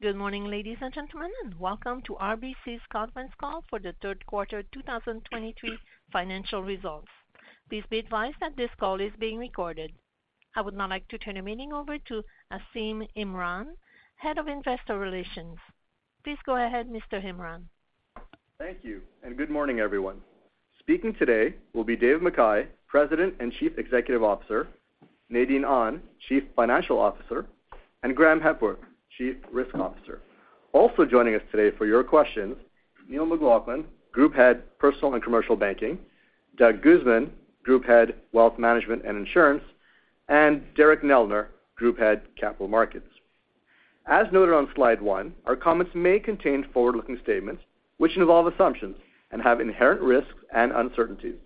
Good morning, ladies and gentlemen, and welcome to RBC's conference call for the third quarter 2023 financial results. Please be advised that this call is being recorded. I would now like to turn the meeting over to Asim Imran, Head of Investor Relations. Please go ahead, Mr. Imran. Thank you, and good morning, everyone. Speaking today will be Dave McKay, President and Chief Executive Officer, Nadine Ahn, Chief Financial Officer, and Graeme Hepworth, Chief Risk Officer. Also joining us today for your questions, Neil McLaughlin, Group Head, Personal and Commercial Banking, Doug Guzman, Group Head, Wealth Management and Insurance, and Derek Neldner, Group Head, Capital Markets. As noted on slide one, our comments may contain forward-looking statements, which involve assumptions and have inherent risks and uncertainties.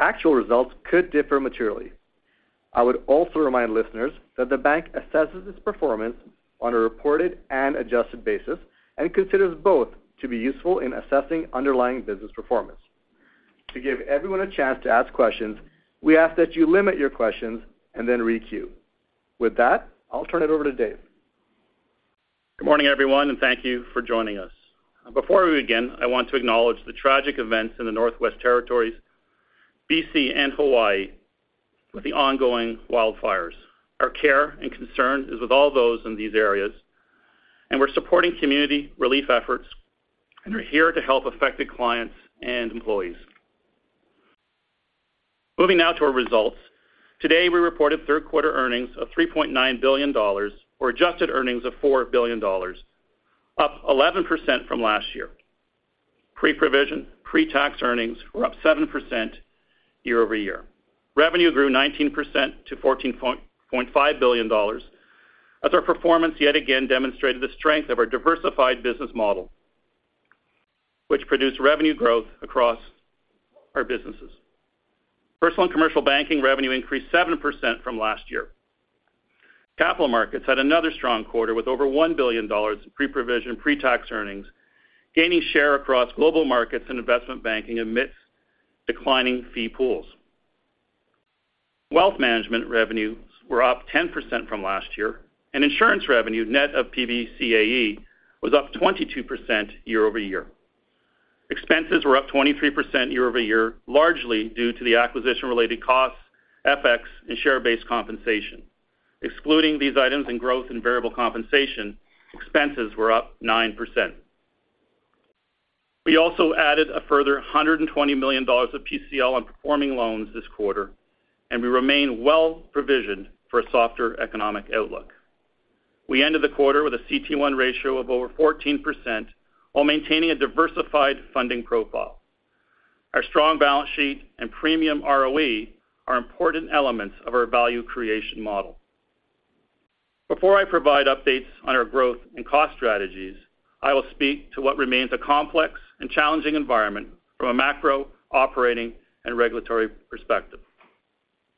Actual results could differ materially. I would also remind listeners that the bank assesses its performance on a reported and adjusted basis and considers both to be useful in assessing underlying business performance. To give everyone a chance to ask questions, we ask that you limit your questions and then re-queue. With that, I'll turn it over to Dave. Good morning, everyone, and thank you for joining us. Before we begin, I want to acknowledge the tragic events in the Northwest Territories, BC, and Hawaii with the ongoing wildfires. Our care and concern is with all those in these areas, and we're supporting community relief efforts, and we're here to help affected clients and employees. Moving now to our results. Today, we reported third quarter earnings of 3.9 billion dollars, or adjusted earnings of 4 billion dollars, up 11% from last year. Pre-provision, pre-tax earnings were up 7% year-over-year. Revenue grew 19% to 14.5 billion dollars, as our performance yet again demonstrated the strength of our diversified business model, which produced revenue growth across our businesses. Personal and commercial banking revenue increased 7% from last year. Capital Markets had another strong quarter with over 1 billion dollars in pre-provision, pre-tax earnings, gaining share across global markets and investment banking amidst declining fee pools. Wealth Management revenues were up 10% from last year, and insurance revenue, net of PBCAE, was up 22% year-over-year. Expenses were up 23% year-over-year, largely due to the acquisition-related costs, FX, and share-based compensation. Excluding these items and growth in variable compensation, expenses were up 9%. We also added a further 120 million dollars of PCL on performing loans this quarter, and we remain well-provisioned for a softer economic outlook. We ended the quarter with a CET1 ratio of over 14% while maintaining a diversified funding profile. Our strong balance sheet and premium ROE are important elements of our value creation model. Before I provide updates on our growth and cost strategies, I will speak to what remains a complex and challenging environment from a macro, operating, and regulatory perspective.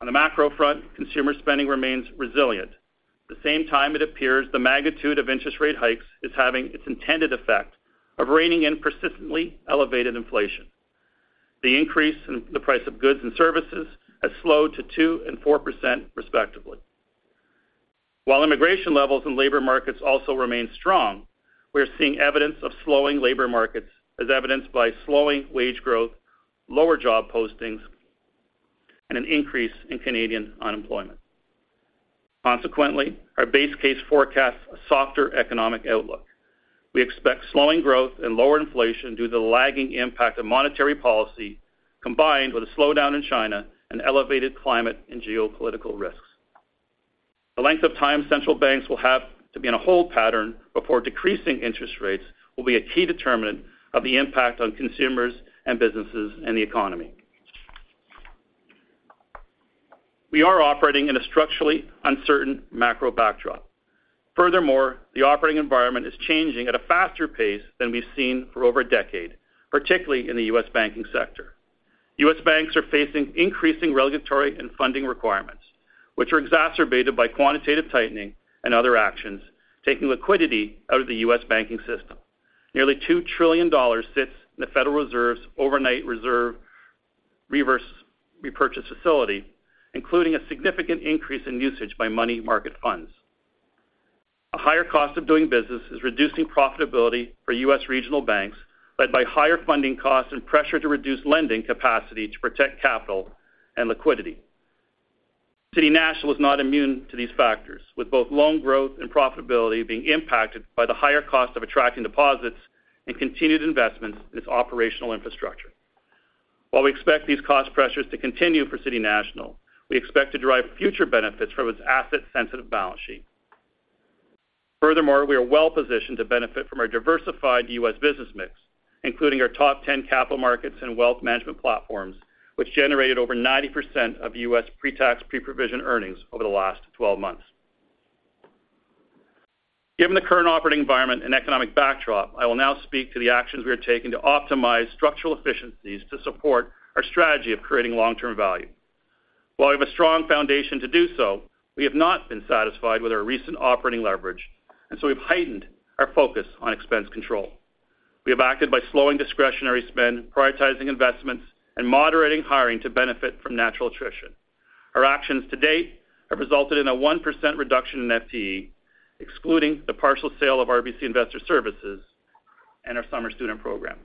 On the macro front, consumer spending remains resilient. At the same time, it appears the magnitude of interest rate hikes is having its intended effect of reining in persistently elevated inflation. The increase in the price of goods and services has slowed to 2% and 4%, respectively. While immigration levels in labor markets also remain strong, we are seeing evidence of slowing labor markets as evidenced by slowing wage growth, lower job postings, and an increase in Canadian unemployment. Consequently, our base case forecasts a softer economic outlook. We expect slowing growth and lower inflation due to the lagging impact of monetary policy, combined with a slowdown in China and elevated climate and geopolitical risks. The length of time central banks will have to be in a hold pattern before decreasing interest rates will be a key determinant of the impact on consumers and businesses and the economy. We are operating in a structurally uncertain macro backdrop. Furthermore, the operating environment is changing at a faster pace than we've seen for over a decade, particularly in the U.S. banking sector. U.S. banks are facing increasing regulatory and funding requirements, which are exacerbated by quantitative tightening and other actions, taking liquidity out of the U.S. banking system. Nearly $2 trillion sits in the Federal Reserve's overnight reserve reverse repurchase facility, including a significant increase in usage by money market funds. A higher cost of doing business is reducing profitability for U.S. regional banks, led by higher funding costs and pressure to reduce lending capacity to protect capital and liquidity. City National is not immune to these factors, with both loan growth and profitability being impacted by the higher cost of attracting deposits and continued investments in its operational infrastructure. While we expect these cost pressures to continue for City National, we expect to derive future benefits from its asset-sensitive balance sheet. Furthermore, we are well positioned to benefit from our diversified U.S. business mix, including our top 10 capital markets and wealth management platforms, which generated over 90% of U.S. pre-tax, pre-provision earnings over the last twelve months. Given the current operating environment and economic backdrop, I will now speak to the actions we are taking to optimize structural efficiencies to support our strategy of creating long-term value. While we have a strong foundation to do so, we have not been satisfied with our recent operating leverage, and so we've heightened our focus on expense control. We have acted by slowing discretionary spend, prioritizing investments, and moderating hiring to benefit from natural attrition. Our actions to date have resulted in a 1% reduction in FTE, excluding the partial sale of RBC Investor Services and our summer student program.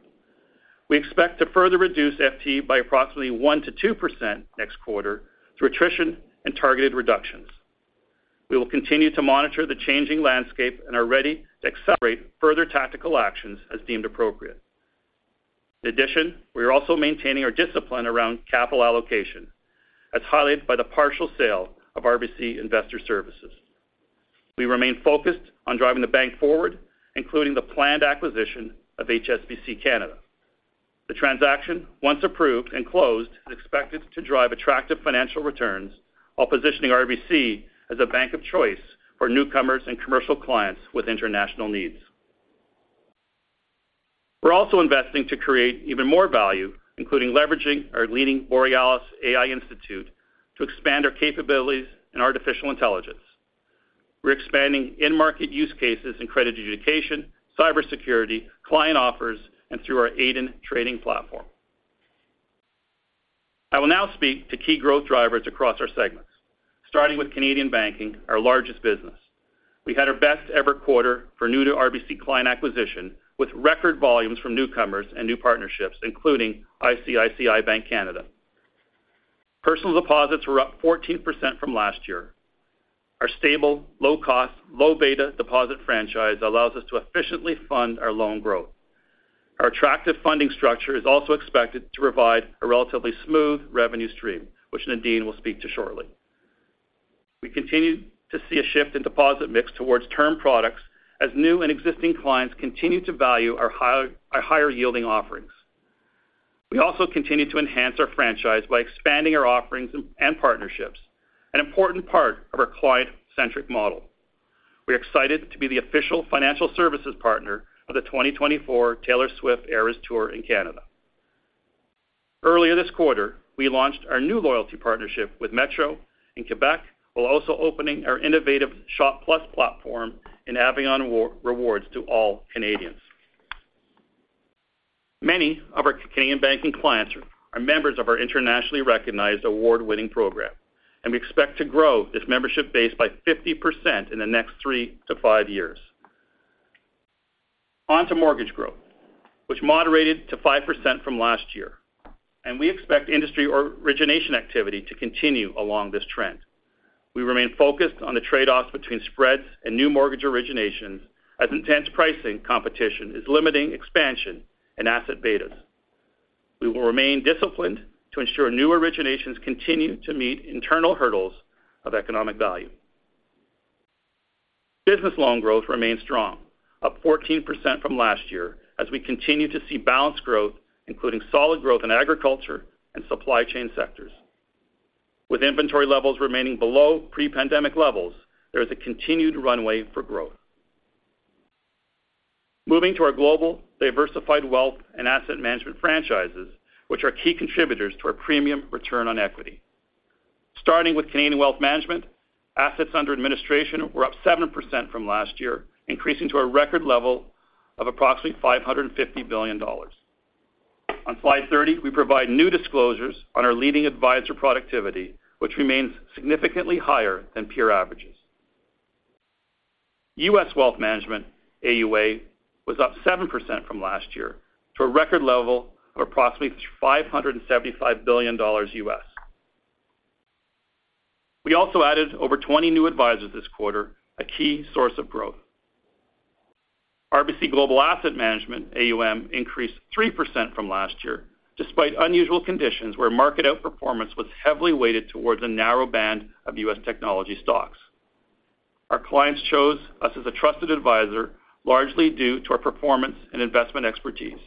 We expect to further reduce FTE by approximately 1%-2% next quarter through attrition and targeted reductions. We will continue to monitor the changing landscape and are ready to accelerate further tactical actions as deemed appropriate. In addition, we are also maintaining our discipline around capital allocation, as highlighted by the partial sale of RBC Investor Services. We remain focused on driving the bank forward, including the planned acquisition of HSBC Canada. The transaction, once approved and closed, is expected to drive attractive financial returns while positioning RBC as a bank of choice for newcomers and commercial clients with international needs. We're also investing to create even more value, including leveraging our leading Borealis AI Institute, to expand our capabilities in artificial intelligence. We're expanding in-market use cases in credit education, cybersecurity, client offers, and through our Aiden trading platform. I will now speak to key growth drivers across our segments, starting with Canadian banking, our largest business. We had our best-ever quarter for new to RBC client acquisition, with record volumes from newcomers and new partnerships, including ICICI Bank Canada. Personal deposits were up 14% from last year. Our stable, low cost, low beta deposit franchise allows us to efficiently fund our loan growth. Our attractive funding structure is also expected to provide a relatively smooth revenue stream, which Nadine will speak to shortly. We continue to see a shift in deposit mix towards term products as new and existing clients continue to value our higher-yielding offerings. We also continue to enhance our franchise by expanding our offerings and partnerships, an important part of our client-centric model. We're excited to be the official financial services partner of the 2024 Taylor Swift Eras Tour in Canada. Earlier this quarter, we launched our new loyalty partnership with Metro in Quebec, while also opening our innovative ShopPlus platform in Avion Rewards to all Canadians. Many of our Canadian banking clients are members of our internationally recognized award-winning program, and we expect to grow this membership base by 50% in the next 3-5 years. On to mortgage growth, which moderated to 5% from last year, and we expect industry origination activity to continue along this trend. We remain focused on the trade-offs between spreads and new mortgage originations, as intense pricing competition is limiting expansion and asset betas. We will remain disciplined to ensure new originations continue to meet internal hurdles of economic value. Business loan growth remains strong, up 14% from last year, as we continue to see balanced growth, including solid growth in agriculture and supply chain sectors. With inventory levels remaining below pre-pandemic levels, there is a continued runway for growth. Moving to our global diversified wealth and asset management franchises, which are key contributors to our premium return on equity. Starting with Canadian wealth management, assets under administration were up 7% from last year, increasing to a record level of approximately 550 billion dollars. On slide 30, we provide new disclosures on our leading advisor productivity, which remains significantly higher than peer averages. U.S. wealth management, AUA, was up 7% from last year, to a record level of approximately $575 billion. We also added over 20 new advisors this quarter, a key source of growth. RBC Global Asset Management AUM increased 3% from last year, despite unusual conditions where market outperformance was heavily weighted towards a narrow band of U.S. technology stocks. Our clients chose us as a trusted advisor, largely due to our performance and investment expertise.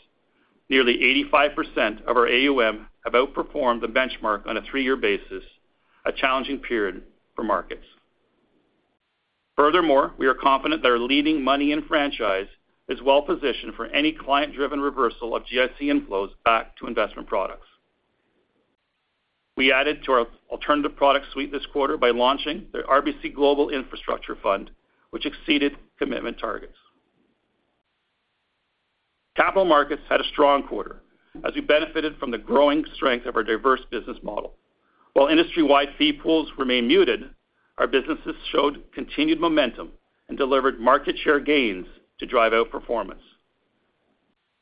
Nearly 85% of our AUM have outperformed the benchmark on a 3-year basis, a challenging period for markets. Furthermore, we are confident that our leading money and franchise is well positioned for any client-driven reversal of GIC inflows back to investment products. We added to our alternative product suite this quarter by launching the RBC Global Infrastructure Fund, which exceeded commitment targets. Capital markets had a strong quarter as we benefited from the growing strength of our diverse business model. While industry-wide fee pools remain muted, our businesses showed continued momentum and delivered market share gains to drive outperformance.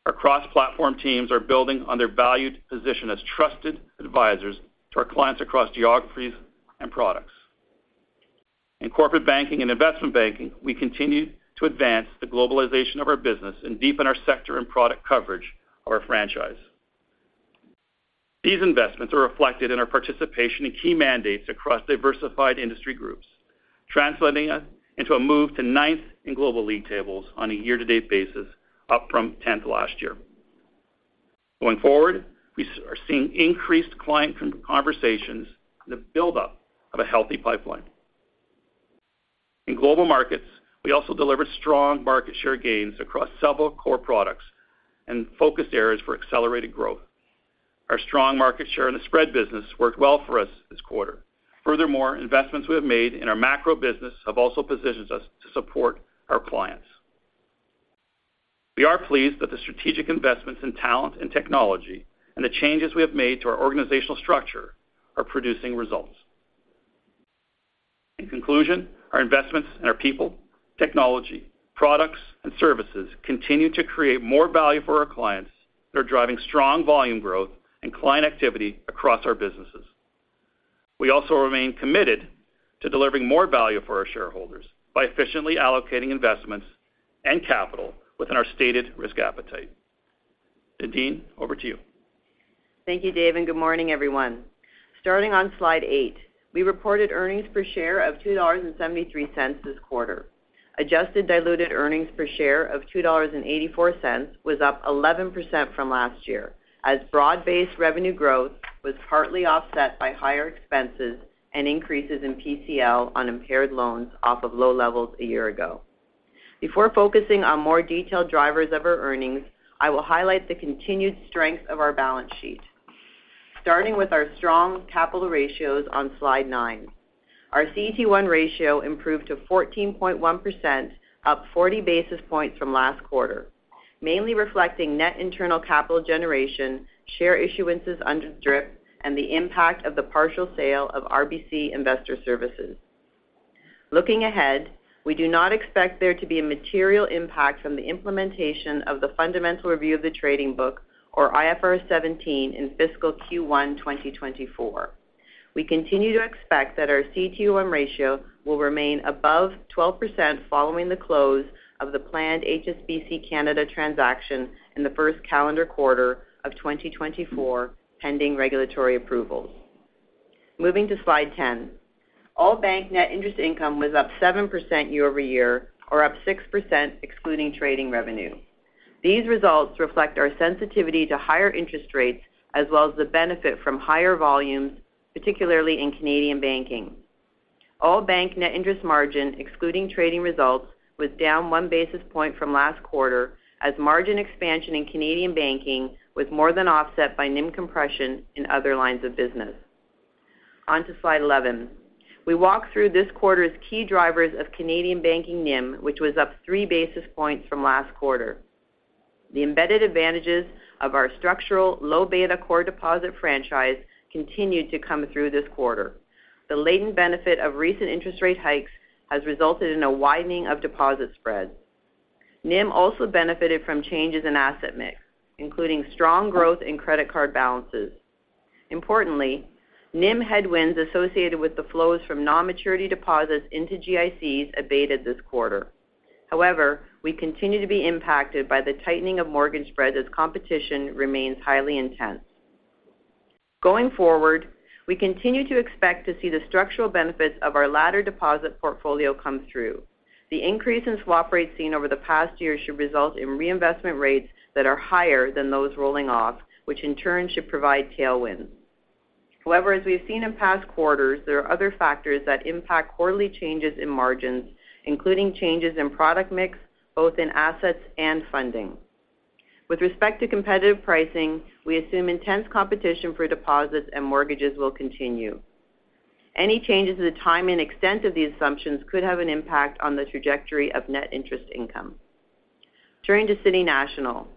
Our cross-platform teams are building on their valued position as trusted advisors to our clients across geographies and products. In corporate banking and investment banking, we continue to advance the globalization of our business and deepen our sector and product coverage of our franchise. These investments are reflected in our participation in key mandates across diversified industry groups, translating into a move to ninth in global league tables on a year-to-date basis, up from tenth last year. Going forward, we are seeing increased client conversations and the buildup of a healthy pipeline. In global markets, we also delivered strong market share gains across several core products and focused areas for accelerated growth. Our strong market share in the spread business worked well for us this quarter. Furthermore, investments we have made in our macro business have also positioned us to support our clients. We are pleased that the strategic investments in talent and technology, and the changes we have made to our organizational structure are producing results. In conclusion, our investments in our people, technology, products, and services continue to create more value for our clients that are driving strong volume growth and client activity across our businesses. We also remain committed to delivering more value for our shareholders by efficiently allocating investments and capital within our stated risk appetite. Nadine, over to you. Thank you, Dave, and good morning, everyone. Starting on slide 8, we reported earnings per share of 2.73 dollars this quarter. Adjusted diluted earnings per share of 2.84 dollars was up 11% from last year, as broad-based revenue growth was partly offset by higher expenses and increases in PCL on impaired loans off of low levels a year ago. Before focusing on more detailed drivers of our earnings, I will highlight the continued strength of our balance sheet. Starting with our strong capital ratios on slide 9. Our CET1 ratio improved to 14.1%, up 40 basis points from last quarter, mainly reflecting net internal capital generation, share issuances under DRIP, and the impact of the partial sale of RBC Investor Services. Looking ahead, we do not expect there to be a material impact from the implementation of the Fundamental Review of the Trading Book or IFRS 17 in fiscal Q1 2024. We continue to expect that our CET1 ratio will remain above 12% following the close of the planned HSBC Canada transaction in the first calendar quarter of 2024, pending regulatory approvals. Moving to slide 10. All bank net interest income was up 7% year-over-year, or up 6% excluding trading revenue. These results reflect our sensitivity to higher interest rates, as well as the benefit from higher volumes, particularly in Canadian banking. All bank net interest margin, excluding trading results, was down 1 basis point from last quarter, as margin expansion in Canadian banking was more than offset by NIM compression in other lines of business. On to slide 11. We walk through this quarter's key drivers of Canadian banking NIM, which was up three basis points from last quarter. The embedded advantages of our structural, low beta core deposit franchise continued to come through this quarter. The latent benefit of recent interest rate hikes has resulted in a widening of deposit spreads. NIM also benefited from changes in asset mix, including strong growth in credit card balances. Importantly, NIM headwinds associated with the flows from non-maturity deposits into GICs abated this quarter. However, we continue to be impacted by the tightening of mortgage spreads as competition remains highly intense. Going forward, we continue to expect to see the structural benefits of our laddered deposit portfolio come through. The increase in swap rates seen over the past year should result in reinvestment rates that are higher than those rolling off, which in turn should provide tailwinds. However, as we have seen in past quarters, there are other factors that impact quarterly changes in margins, including changes in product mix, both in assets and funding. With respect to competitive pricing, we assume intense competition for deposits and mortgages will continue. Any changes in the time and extent of these assumptions could have an impact on the trajectory of net interest income. Turning to City National.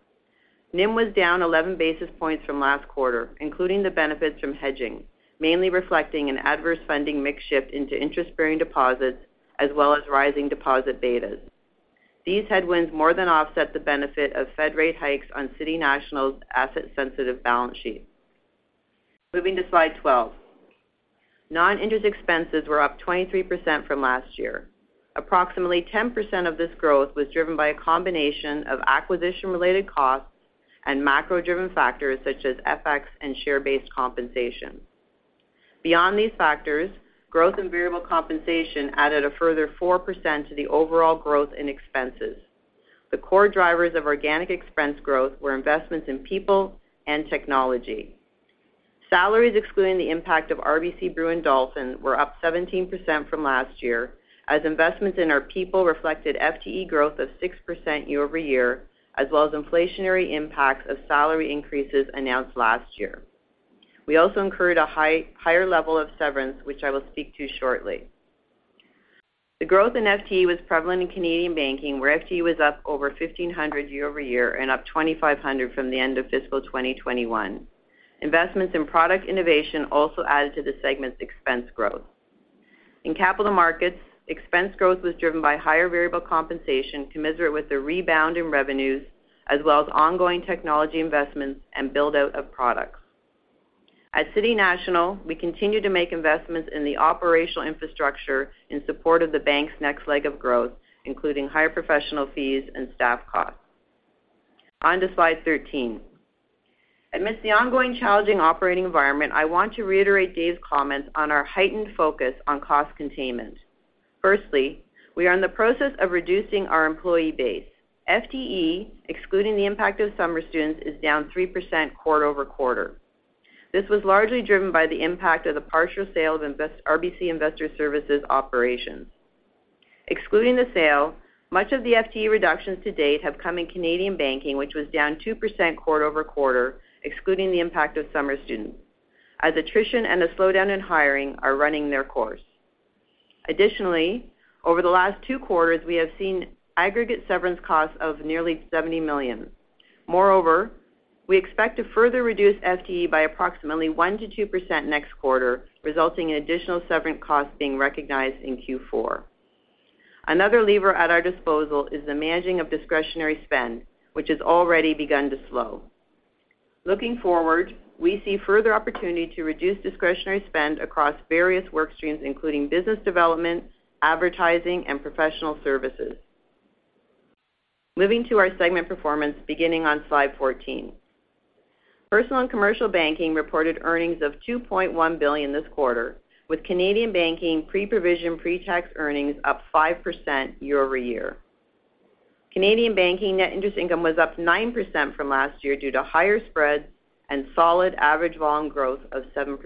NIM was down 11 basis points from last quarter, including the benefits from hedging, mainly reflecting an adverse funding mix shift into interest-bearing deposits, as well as rising deposit betas. These headwinds more than offset the benefit of Fed rate hikes on City National's asset-sensitive balance sheet. Moving to slide 12. Non-interest expenses were up 23% from last year. Approximately 10% of this growth was driven by a combination of acquisition-related costs and macro-driven factors such as FX and share-based compensation. Beyond these factors, growth in variable compensation added a further 4% to the overall growth in expenses. The core drivers of organic expense growth were investments in people and technology. Salaries, excluding the impact of RBC Brewin Dolphin, were up 17% from last year, as investments in our people reflected FTE growth of 6% year-over-year, as well as inflationary impacts of salary increases announced last year. We also incurred a higher level of severance, which I will speak to shortly. The growth in FTE was prevalent in Canadian banking, where FTE was up over 1,500 year-over-year and up 2,500 from the end of fiscal 2021. Investments in product innovation also added to the segment's expense growth. In capital markets, expense growth was driven by higher variable compensation commensurate with the rebound in revenues, as well as ongoing technology investments and build-out of products. At City National, we continue to make investments in the operational infrastructure in support of the bank's next leg of growth, including higher professional fees and staff costs. On to slide 13. Amidst the ongoing challenging operating environment, I want to reiterate Dave's comments on our heightened focus on cost containment. Firstly, we are in the process of reducing our employee base. FTE, excluding the impact of summer students, is down 3% quarter-over-quarter. This was largely driven by the impact of the partial sale of RBC Investor Services operations. excluding the sale, much of the FTE reductions to date have come in Canadian banking, which was down 2% quarter-over-quarter, excluding the impact of summer students, as attrition and the slowdown in hiring are running their course. Additionally, over the last 2 quarters, we have seen aggregate severance costs of nearly 70 million. Moreover, we expect to further reduce FTE by approximately 1%-2% next quarter, resulting in additional severance costs being recognized in Q4. Another lever at our disposal is the managing of discretionary spend, which has already begun to slow. Looking forward, we see further opportunity to reduce discretionary spend across various work streams, including business development, advertising, and professional services. Moving to our segment performance, beginning on slide 14. Personal and commercial banking reported earnings of 2.1 billion this quarter, with Canadian banking pre-provision, pre-tax earnings up 5% year-over-year. Canadian banking net interest income was up 9% from last year due to higher spreads and solid average volume growth of 7%.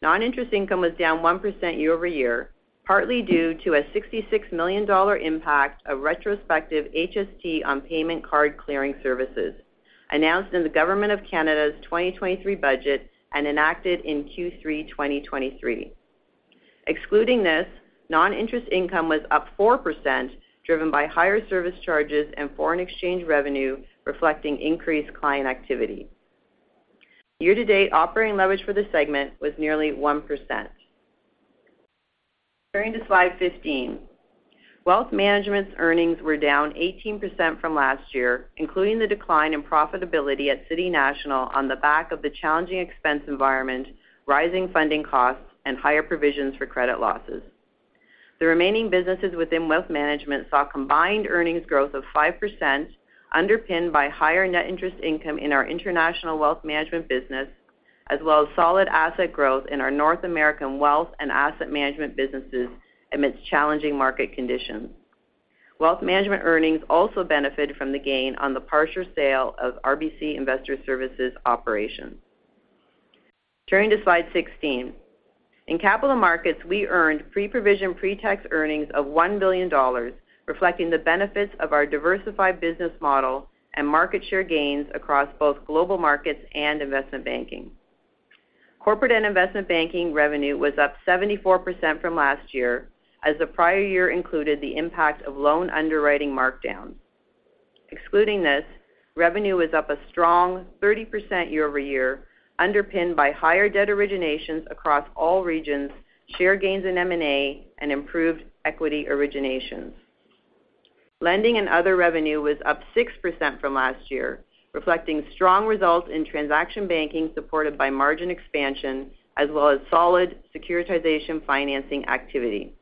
Non-interest income was down 1% year-over-year, partly due to a 66 million dollar impact of retrospective HST on payment card clearing services, announced in the government of Canada's 2023 budget and enacted in Q3 2023. Excluding this, non-interest income was up 4%, driven by higher service charges and foreign exchange revenue, reflecting increased client activity. Year-to-date operating leverage for the segment was nearly 1%. Turning to slide 15. Wealth Management's earnings were down 18% from last year, including the decline in profitability at City National on the back of the challenging expense environment, rising funding costs, and higher provisions for credit losses. The remaining businesses within Wealth Management saw combined earnings growth of 5%, underpinned by higher net interest income in our international Wealth Management business, as well as solid asset growth in our North American wealth and asset management businesses amidst challenging market conditions. Wealth Management earnings also benefited from the gain on the partial sale of RBC Investor Services operations. Turning to slide 16. In Capital Markets, we earned Pre-Provision Pre-Tax Earnings of 1 billion dollars, reflecting the benefits of our diversified business model and market share gains across both global markets and investment banking. Corporate and investment banking revenue was up 74% from last year, as the prior year included the impact of loan underwriting markdowns. Excluding this, revenue was up a strong 30% year-over-year, underpinned by higher debt originations across all regions, share gains in M&A, and improved equity originations. Lending and other revenue was up 6% from last year, reflecting strong results in transaction banking, supported by margin expansion as well as solid securitization financing activity.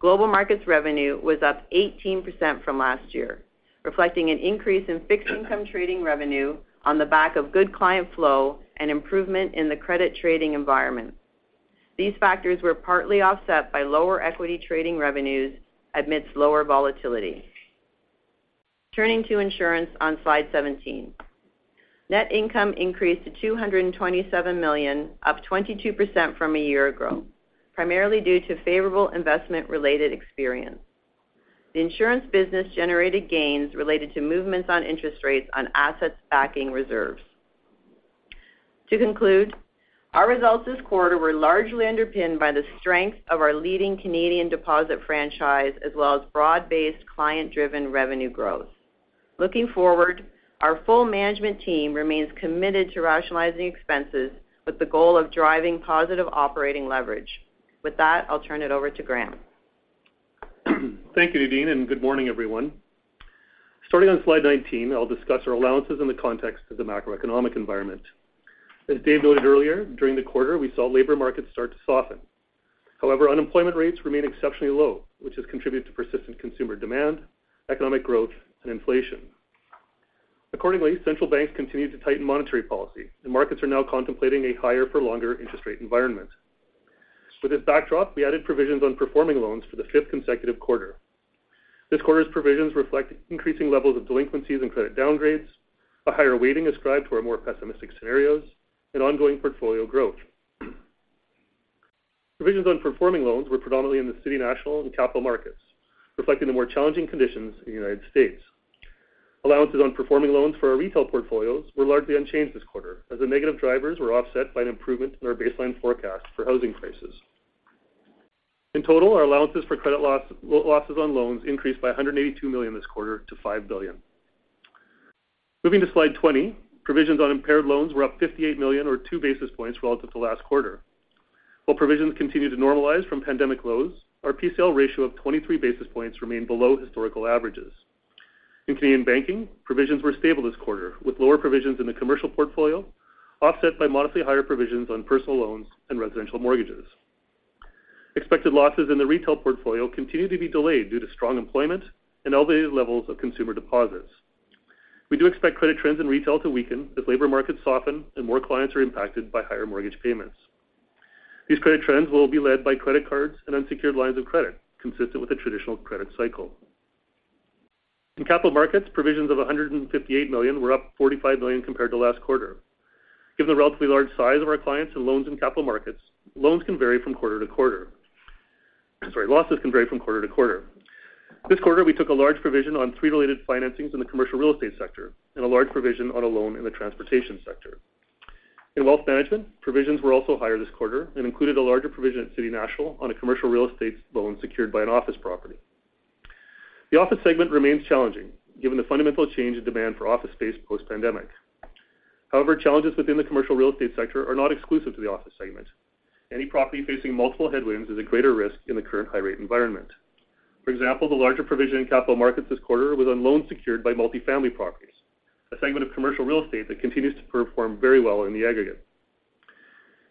Global markets revenue was up 18% from last year, reflecting an increase in fixed income trading revenue on the back of good client flow and improvement in the credit trading environment. These factors were partly offset by lower equity trading revenues amidst lower volatility. Turning to insurance on slide 17. Net income increased to 227 million, up 22% from a year ago, primarily due to favorable investment-related experience. The insurance business generated gains related to movements on interest rates on assets backing reserves. To conclude, our results this quarter were largely underpinned by the strength of our leading Canadian deposit franchise, as well as broad-based, client-driven revenue growth. Looking forward, our full management team remains committed to rationalizing expenses with the goal of driving positive operating leverage. With that, I'll turn it over to Graeme. Thank you, Nadine, and good morning, everyone. Starting on slide 19, I'll discuss our allowances in the context of the macroeconomic environment. As Dave noted earlier, during the quarter, we saw labor markets start to soften. However, unemployment rates remain exceptionally low, which has contributed to persistent consumer demand, economic growth, and inflation. Accordingly, central banks continued to tighten monetary policy, and markets are now contemplating a higher-for-longer interest rate environment. With this backdrop, we added provisions on performing loans for the fifth consecutive quarter. This quarter's provisions reflect increasing levels of delinquencies and credit downgrades, a higher weighting ascribed to our more pessimistic scenarios, and ongoing portfolio growth. Provisions on performing loans were predominantly in the City National and Capital Markets, reflecting the more challenging conditions in the United States. Allowances on performing loans for our retail portfolios were largely unchanged this quarter, as the negative drivers were offset by an improvement in our baseline forecast for housing prices. In total, our allowances for credit loss, losses on loans increased by 182 million this quarter to 5 billion. Moving to slide 20, provisions on impaired loans were up 58 million or 2 basis points relative to last quarter. While provisions continue to normalize from pandemic lows, our PCL ratio of 23 basis points remained below historical averages. In Canadian banking, provisions were stable this quarter, with lower provisions in the commercial portfolio offset by modestly higher provisions on personal loans and residential mortgages. Expected losses in the retail portfolio continue to be delayed due to strong employment and elevated levels of consumer deposits. We do expect credit trends in retail to weaken as labor markets soften and more clients are impacted by higher mortgage payments. These credit trends will be led by credit cards and unsecured lines of credit, consistent with the traditional credit cycle. In capital markets, provisions of 158 million were up 45 million compared to last quarter. Given the relatively large size of our clients and loans in capital markets, loans can vary from quarter to quarter. Sorry, losses can vary from quarter to quarter. This quarter, we took a large provision on three related financings in the commercial real estate sector and a large provision on a loan in the transportation sector. In wealth management, provisions were also higher this quarter and included a larger provision at City National on a commercial real estate loan secured by an office property. The office segment remains challenging, given the fundamental change in demand for office space post-pandemic. However, challenges within the commercial real estate sector are not exclusive to the office segment. Any property facing multiple headwinds is a greater risk in the current high-rate environment. For example, the larger provision in capital markets this quarter was on loans secured by multifamily properties, a segment of commercial real estate that continues to perform very well in the aggregate.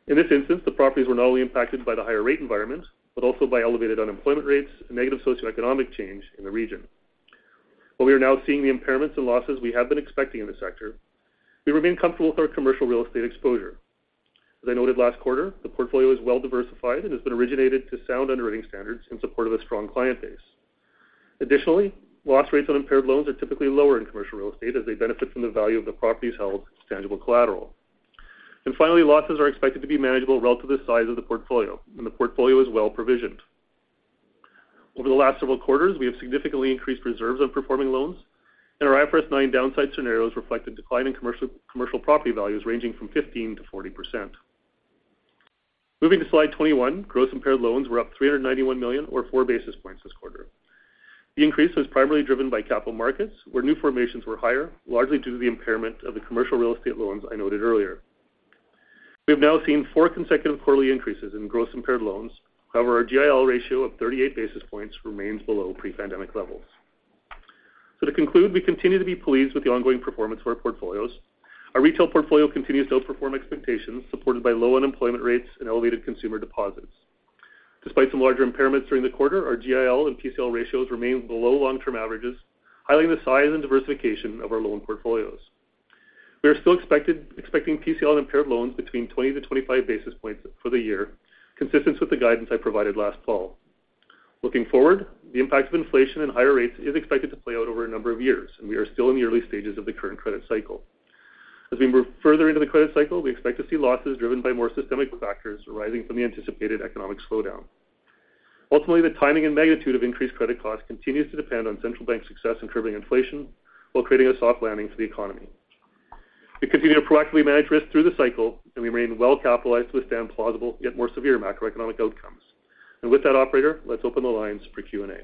In this instance, the properties were not only impacted by the higher rate environment, but also by elevated unemployment rates and negative socioeconomic change in the region. While we are now seeing the impairments and losses we have been expecting in this sector, we remain comfortable with our commercial real estate exposure. As I noted last quarter, the portfolio is well diversified and has been originated to sound underwriting standards in support of a strong client base. Additionally, loss rates on impaired loans are typically lower in commercial real estate as they benefit from the value of the properties held as tangible collateral. And finally, losses are expected to be manageable relative to the size of the portfolio, and the portfolio is well provisioned. Over the last several quarters, we have significantly increased reserves on performing loans, and our IFRS 9 downside scenarios reflect a decline in commercial, commercial property values ranging from 15%-40%. Moving to slide 21, gross impaired loans were up 391 million, or four basis points this quarter. The increase was primarily driven by capital markets, where new formations were higher, largely due to the impairment of the commercial real estate loans I noted earlier. We have now seen four consecutive quarterly increases in gross impaired loans. However, our GIL ratio of 38 basis points remains below pre-pandemic levels. So to conclude, we continue to be pleased with the ongoing performance of our portfolios. Our retail portfolio continues to outperform expectations, supported by low unemployment rates and elevated consumer deposits. Despite some larger impairments during the quarter, our GIL and PCL ratios remain below long-term averages, highlighting the size and diversification of our loan portfolios. We are still expecting PCL and impaired loans between 20-25 basis points for the year, consistent with the guidance I provided last fall. Looking forward, the impact of inflation and higher rates is expected to play out over a number of years, and we are still in the early stages of the current credit cycle. As we move further into the credit cycle, we expect to see losses driven by more systemic factors arising from the anticipated economic slowdown. Ultimately, the timing and magnitude of increased credit costs continues to depend on central bank success in curbing inflation while creating a soft landing for the economy. We continue to proactively manage risk through the cycle, and we remain well capitalized to withstand plausible, yet more severe macroeconomic outcomes. And with that, operator, let's open the lines for Q&A.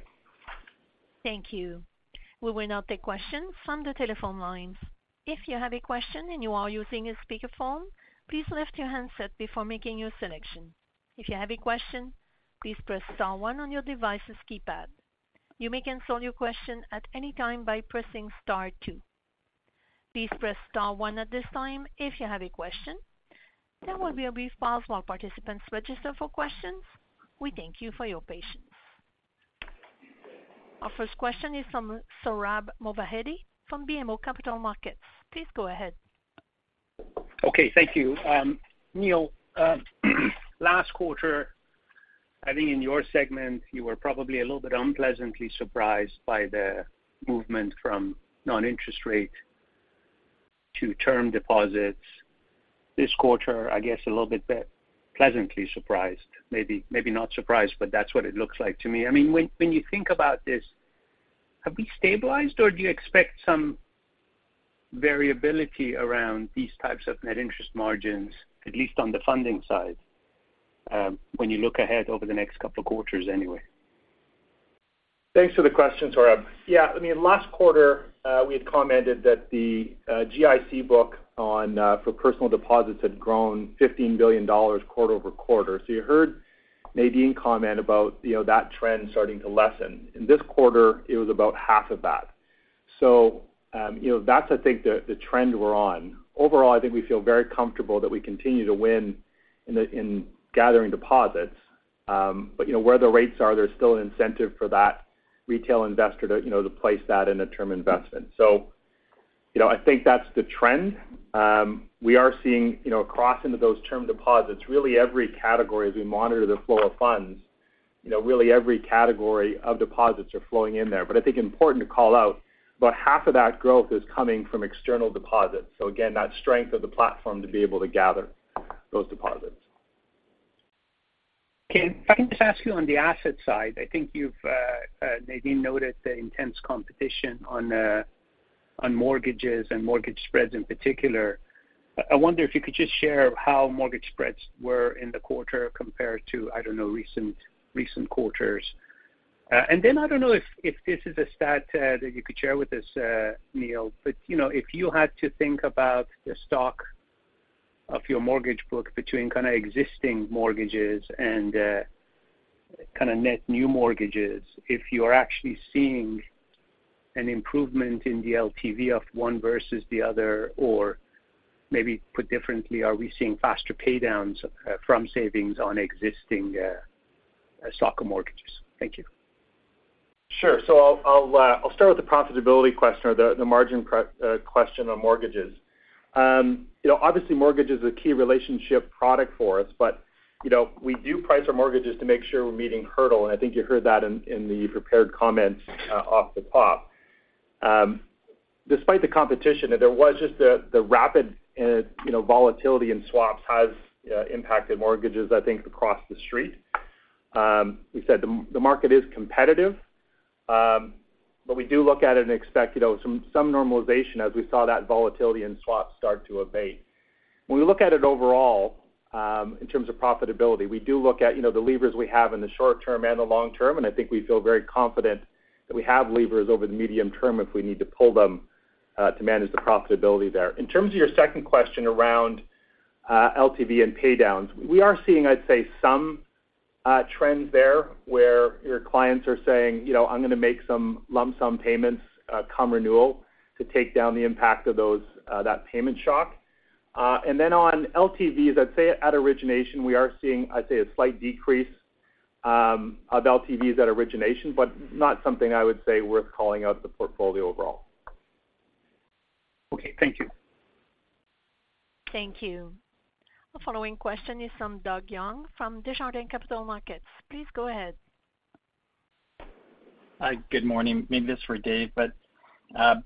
Thank you. We will now take questions from the telephone lines. If you have a question and you are using a speakerphone, please lift your handset before making your selection. If you have a question, please press star one on your device's keypad. You may cancel your question at any time by pressing star two. Please press star one at this time if you have a question. There will be a brief pause while participants register for questions. We thank you for your patience. Our first question is from Sohrab Movahedi from BMO Capital Markets. Please go ahead. Okay, thank you. Neil, last quarter, I think in your segment, you were probably a little bit unpleasantly surprised by the movement from non-interest rate to term deposits. This quarter, I guess, a little bit pleasantly surprised. Maybe, maybe not surprised, but that's what it looks like to me. I mean, when you think about this, have we stabilized, or do you expect some variability around these types of net interest margins, at least on the funding side, when you look ahead over the next couple of quarters anyway? Thanks for the question, Sohrab. Yeah, I mean, last quarter, we had commented that the GIC book on for personal deposits had grown 15 billion dollars quarter-over-quarter. So you heard Nadine comment about, you know, that trend starting to lessen. In this quarter, it was about half of that. So, you know, that's, I think, the trend we're on. Overall, I think we feel very comfortable that we continue to win in the gathering deposits. But you know, where the rates are, there's still an incentive for that retail investor to, you know, to place that in a term investment. So, you know, I think that's the trend. We are seeing, you know, across into those term deposits, really every category as we monitor the flow of funds, you know, really every category of deposits are flowing in there. But I think important to call out, about half of that growth is coming from external deposits. So again, that strength of the platform to be able to gather those deposits. Okay. If I can just ask you on the asset side, I think you've, Nadine noted the intense competition on, on mortgages and mortgage spreads in particular. I, I wonder if you could just share how mortgage spreads were in the quarter compared to, I don't know, recent, recent quarters. And then I don't know if, if this is a stat, that you could share with us, Neil, but, you know, if you had to think about the stock of your mortgage book between kind of existing mortgages and, kind of net new mortgages, if you are actually seeing an improvement in the LTV of one versus the other, or maybe put differently, are we seeing faster pay downs, from savings on existing, stock of mortgages? Thank you. Sure. So I'll start with the profitability question or the margin question on mortgages. You know, obviously, mortgage is a key relationship product for us, but, you know, we do price our mortgages to make sure we're meeting hurdle, and I think you heard that in the prepared comments, off the top. Despite the competition, there was just the rapid, you know, volatility in swaps has impacted mortgages, I think, across the street. We said the market is competitive, but we do look at it and expect, you know, some normalization as we saw that volatility in swaps start to abate. When we look at it overall, in terms of profitability, we do look at, you know, the levers we have in the short term and the long term, and I think we feel very confident that we have levers over the medium term if we need to pull them, to manage the profitability there. In terms of your second question around, LTV and paydowns, we are seeing, I'd say, some, trends there, where your clients are saying, "You know, I'm gonna make some lump sum payments, come renewal, to take down the impact of those, that payment shock." And then on LTVs, I'd say at origination, we are seeing, I'd say, a slight decrease, of LTVs at origination, but not something I would say worth calling out the portfolio overall. Okay, thank you. Thank you. The following question is from Doug Young, from Desjardins Capital Markets. Please go ahead. Hi, good morning. Maybe this is for Dave, but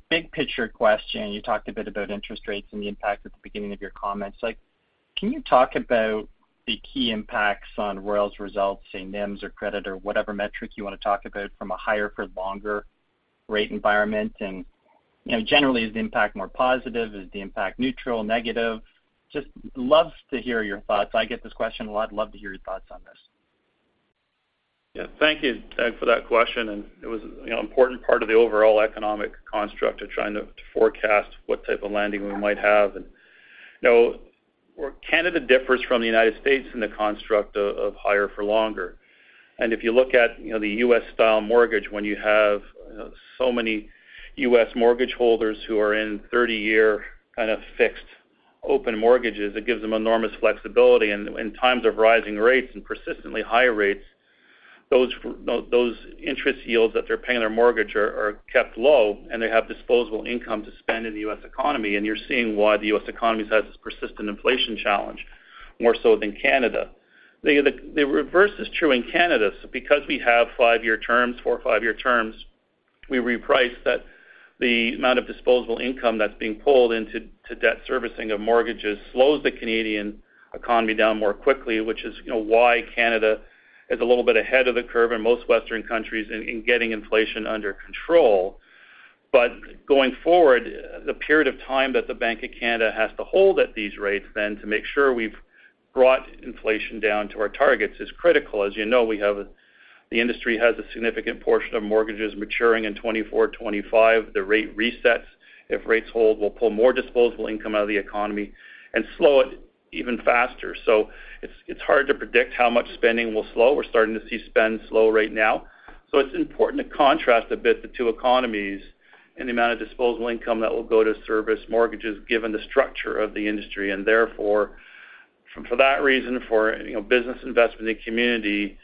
big picture question, you talked a bit about interest rates and the impact at the beginning of your comments. Like, can you talk about the key impacts on Royal's results, say, NIMS or credit or whatever metric you want to talk about from a higher for longer rate environment? And, you know, generally, is the impact more positive? Is the impact neutral, negative? Just love to hear your thoughts. I get this question a lot. Love to hear your thoughts on this. Yeah. Thank you, Doug, for that question. It was, you know, important part of the overall economic construct of trying to forecast what type of landing we might have. You know, where Canada differs from the United States in the construct of higher for longer, and if you look at, you know, the U.S. style mortgage, when you have, you know, so many U.S. mortgage holders who are in 30-year kind of fixed open mortgages, it gives them enormous flexibility. In times of rising rates and persistently higher rates, those interest yields that they're paying their mortgage are kept low, and they have disposable income to spend in the U.S. economy, and you're seeing why the U.S. economy has this persistent inflation challenge, more so than Canada. The reverse is true in Canada. Because we have five-year terms, four, five-year terms, we reprice that the amount of disposable income that's being pulled into, to debt servicing of mortgages slows the Canadian economy down more quickly, which is, you know, why Canada is a little bit ahead of the curve in most Western countries in, in getting inflation under control. But going forward, the period of time that the Bank of Canada has to hold at these rates then to make sure we've brought inflation down to our targets, is critical. As you know, the industry has a significant portion of mortgages maturing in 2024, 2025. The rate resets, if rates hold, will pull more disposable income out of the economy and slow it even faster. So it's, it's hard to predict how much spending will slow. We're starting to see spend slow right now. So it's important to contrast a bit, the two economies and the amount of disposable income that will go to service mortgages, given the structure of the industry. And therefore, for that reason, you know, business investment in the community,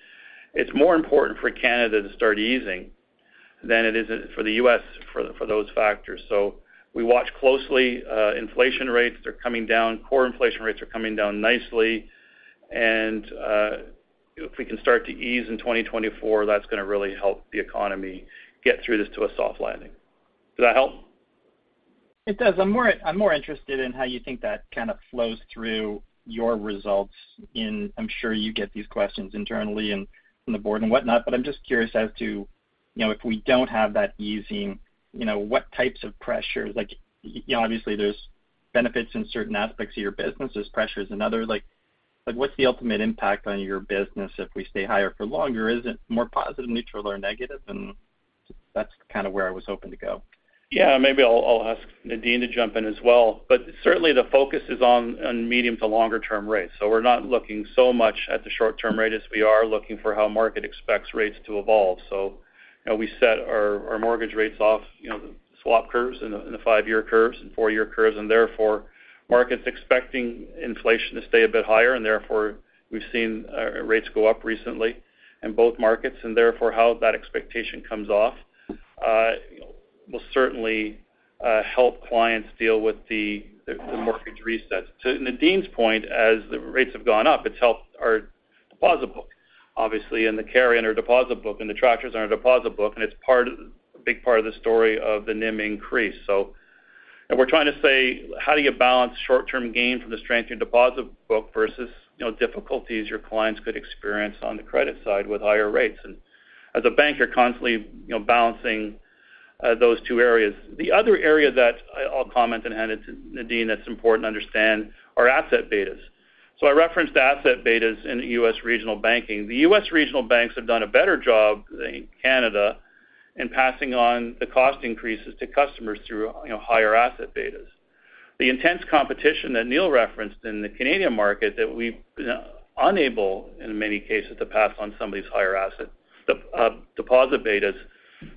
it's more important for Canada to start easing than it is for the U.S. for those factors. So we watch closely, inflation rates are coming down, core inflation rates are coming down nicely. And, if we can start to ease in 2024, that's gonna really help the economy get through this to a soft landing. Does that help? It does. I'm more interested in how you think that kind of flows through your results in... I'm sure you get these questions internally and from the board and whatnot, but I'm just curious as to, you know, if we don't have that easing, you know, what types of pressures? Like, you know, obviously, there's benefits in certain aspects of your business, there's pressures in others. Like, what's the ultimate impact on your business if we stay higher for longer? Is it more positive, neutral, or negative? And that's kind of where I was hoping to go. Yeah, maybe I'll, I'll ask Nadine to jump in as well. But certainly, the focus is on, on medium to longer term rates. So we're not looking so much at the short-term rate, as we are looking for how market expects rates to evolve. So, you know, we set our, our mortgage rates off, you know, swap curves and the, the five-year curves and four-year curves, and therefore, markets expecting inflation to stay a bit higher, and therefore, we've seen rates go up recently in both markets, and therefore, how that expectation comes off will certainly help clients deal with the, the mortgage resets. To Nadine's point, as the rates have gone up, it's helped our deposit book, obviously, and the carry in our deposit book, and the attractors in our deposit book, and it's part a big part of the story of the NIM increase. We're trying to say: How do you balance short-term gain from the strength of your deposit book versus, you know, difficulties your clients could experience on the credit side with higher rates? And as a bank, you're constantly, you know, balancing those two areas. The other area that I'll comment and hand it to Nadine, that's important to understand, are asset betas. So I referenced asset betas in the U.S. regional banking. The U.S. regional banks have done a better job than Canada in passing on the cost increases to customers through, you know, higher asset betas. The intense competition that Neil referenced in the Canadian market, that we've, you know, unable, in many cases, to pass on some of these higher asset deposit betas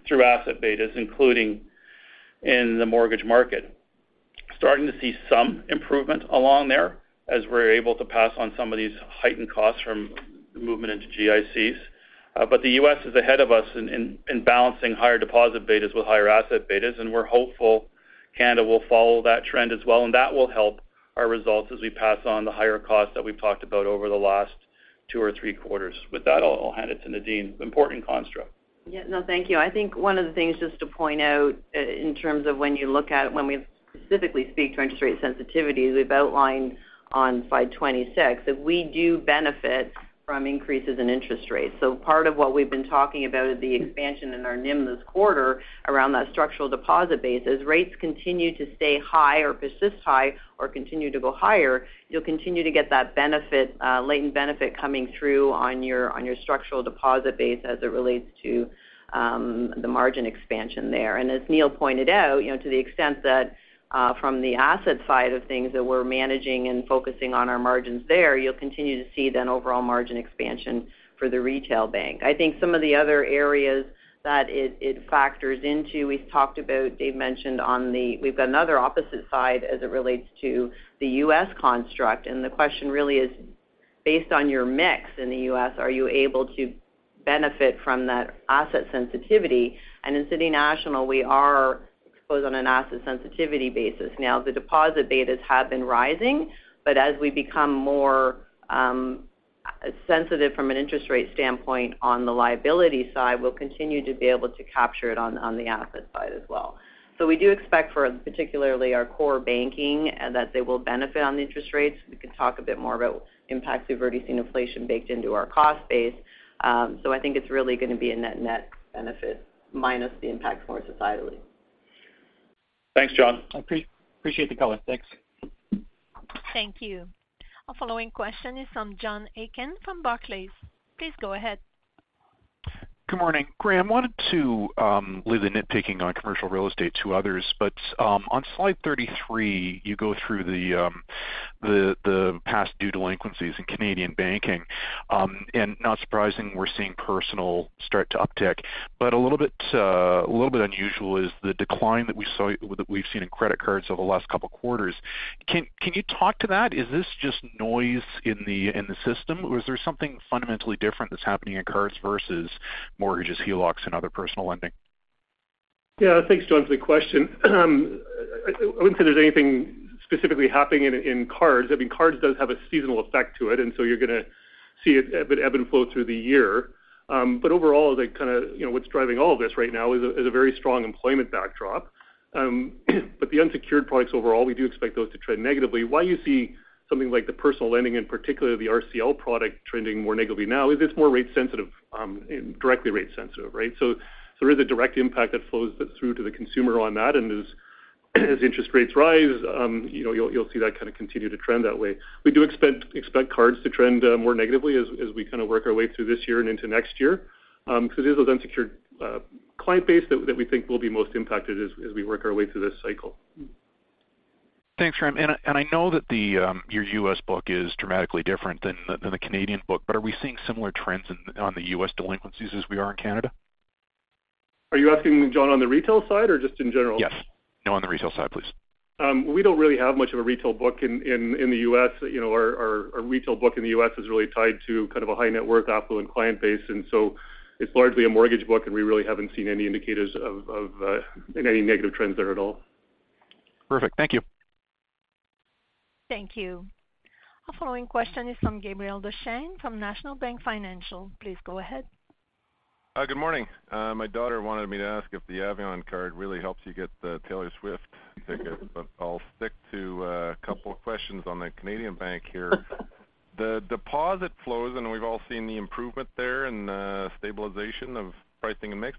through asset betas, including in the mortgage market. Starting to see some improvement along there. As we're able to pass on some of these heightened costs from the movement into GICs. But the U.S. is ahead of us in balancing higher deposit betas with higher asset betas, and we're hopeful Canada will follow that trend as well, and that will help our results as we pass on the higher costs that we've talked about over the last two or three quarters. With that, I'll hand it to Nadine. Important construct. Yeah, no, thank you. I think one of the things just to point out in terms of when you look at it, when we specifically speak to interest rate sensitivity, we've outlined on slide 26, that we do benefit from increases in interest rates. So part of what we've been talking about is the expansion in our NIM this quarter around that structural deposit base. As rates continue to stay high or persist high or continue to go higher, you'll continue to get that benefit, latent benefit coming through on your, on your structural deposit base as it relates to, the margin expansion there. And as Neil pointed out, you know, to the extent that, from the asset side of things that we're managing and focusing on our margins there, you'll continue to see then overall margin expansion for the retail bank. I think some of the other areas that it, it factors into, we've talked about. Dave mentioned on the—we've got another opposite side as it relates to the U.S. construct, and the question really is, based on your mix in the U.S., are you able to benefit from that asset sensitivity? And in City National, we are exposed on an asset sensitivity basis. Now, the deposit betas have been rising, but as we become more sensitive from an interest rate standpoint on the liability side, we'll continue to be able to capture it on, on the asset side as well. So we do expect for particularly our core banking, and that they will benefit on the interest rates. We can talk a bit more about impact we've already seen inflation baked into our cost base. So I think it's really going to be a net, net benefit minus the impact more societally. Thanks, John. I appreciate the color. Thanks. Thank you. Our following question is from John Aiken from Barclays. Please go ahead. Good morning. Graeme, I wanted to leave the nitpicking on commercial real estate to others, but on slide 33, you go through the past due delinquencies in Canadian banking. And not surprising, we're seeing personal start to uptick. But a little bit unusual is the decline that we've seen in credit cards over the last couple of quarters. Can you talk to that? Is this just noise in the system, or is there something fundamentally different that's happening in cards versus mortgages, HELOCs, and other personal lending? Yeah. Thanks, John, for the question. I wouldn't say there's anything specifically happening in cards. I mean, cards does have a seasonal effect to it, and so you're going to see it ebb and flow through the year. But overall, the kind of, you know, what's driving all of this right now is a very strong employment backdrop. But the unsecured products, overall, we do expect those to trend negatively. Why you see something like the personal lending, and particularly the RCL product, trending more negatively now is it's more rate sensitive, and directly rate sensitive, right? So there is a direct impact that flows through to the consumer on that, and as interest rates rise, you know, you'll see that kind of continue to trend that way. We do expect cards to trend more negatively as we kind of work our way through this year and into next year. Because it is those unsecured client base that we think will be most impacted as we work our way through this cycle. Thanks, Graeme. I know that your U.S. book is dramatically different than the Canadian book, but are we seeing similar trends in the U.S. delinquencies as we are in Canada? Are you asking me, John, on the retail side or just in general? Yes. No, on the retail side, please. We don't really have much of a retail book in the U.S. You know, our retail book in the U.S. is really tied to kind of a high-net-worth affluent client base, and so it's largely a mortgage book, and we really haven't seen any indicators of any negative trends there at all. Perfect. Thank you. Thank you. Our following question is from Gabriel Dechaine, from National Bank Financial. Please go ahead. Good morning. My daughter wanted me to ask if the Avion card really helps you get the Taylor Swift ticket, but I'll stick to a couple of questions on the Canadian bank here. The deposit flows, and we've all seen the improvement there and stabilization of pricing and mix.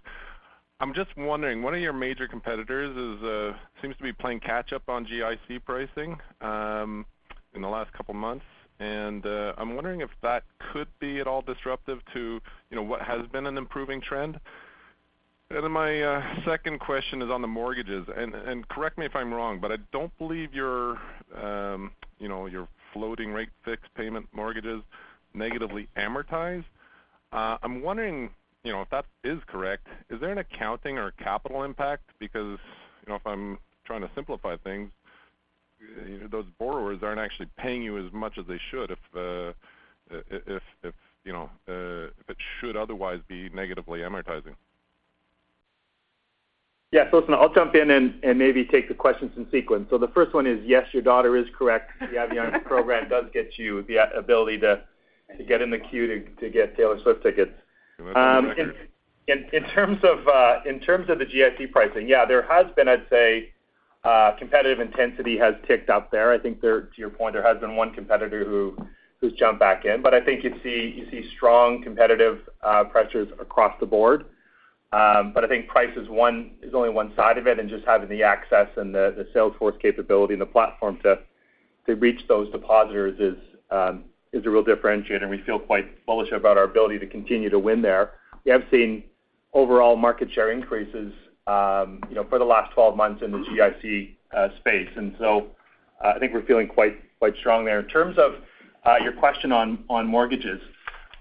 I'm just wondering, one of your major competitors is, seems to be playing catch up on GIC pricing in the last couple of months, and I'm wondering if that could be at all disruptive to, you know, what has been an improving trend. And then my second question is on the mortgages, and correct me if I'm wrong, but I don't believe your, you know, your floating rate, fixed payment mortgages negatively amortize. I'm wondering, you know, if that is correct, is there an accounting or a capital impact? Because, you know, if I'm trying to simplify things, those borrowers aren't actually paying you as much as they should, if, you know, if it should otherwise be negatively amortizing. Yes. Listen, I'll jump in and maybe take the questions in sequence. So the first one is, yes, your daughter is correct. The Avion program does get you the ability to get in the queue to get Taylor Swift tickets. That's great. In terms of the GIC pricing, yeah, there has been, I'd say, competitive intensity has ticked up there. I think there, to your point, there has been one competitor who's jumped back in. But I think you see, you see strong competitive pressures across the board. But I think price is one is only one side of it, and just having the access and the sales force capability and the platform to reach those depositors is a real differentiator, and we feel quite bullish about our ability to continue to win there. We have seen overall market share increases, you know, for the last 12 months in the GIC space, and so I think we're feeling quite, quite strong there. In terms of your question on mortgages.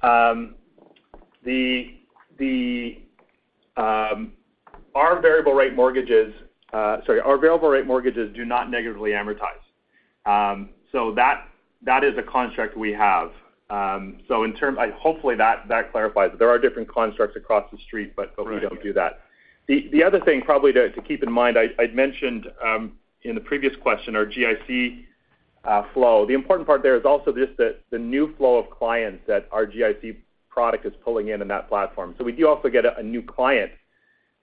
Our variable rate mortgages, sorry, our variable rate mortgages do not negatively amortize. So that is a construct we have. So hopefully, that clarifies it. There are different constructs across the street, but- Right. But we don't do that. The other thing probably to keep in mind, I'd mentioned in the previous question, our GIC flow. The important part there is also just the new flow of clients that our GIC product is pulling in, in that platform. So we do also get a new client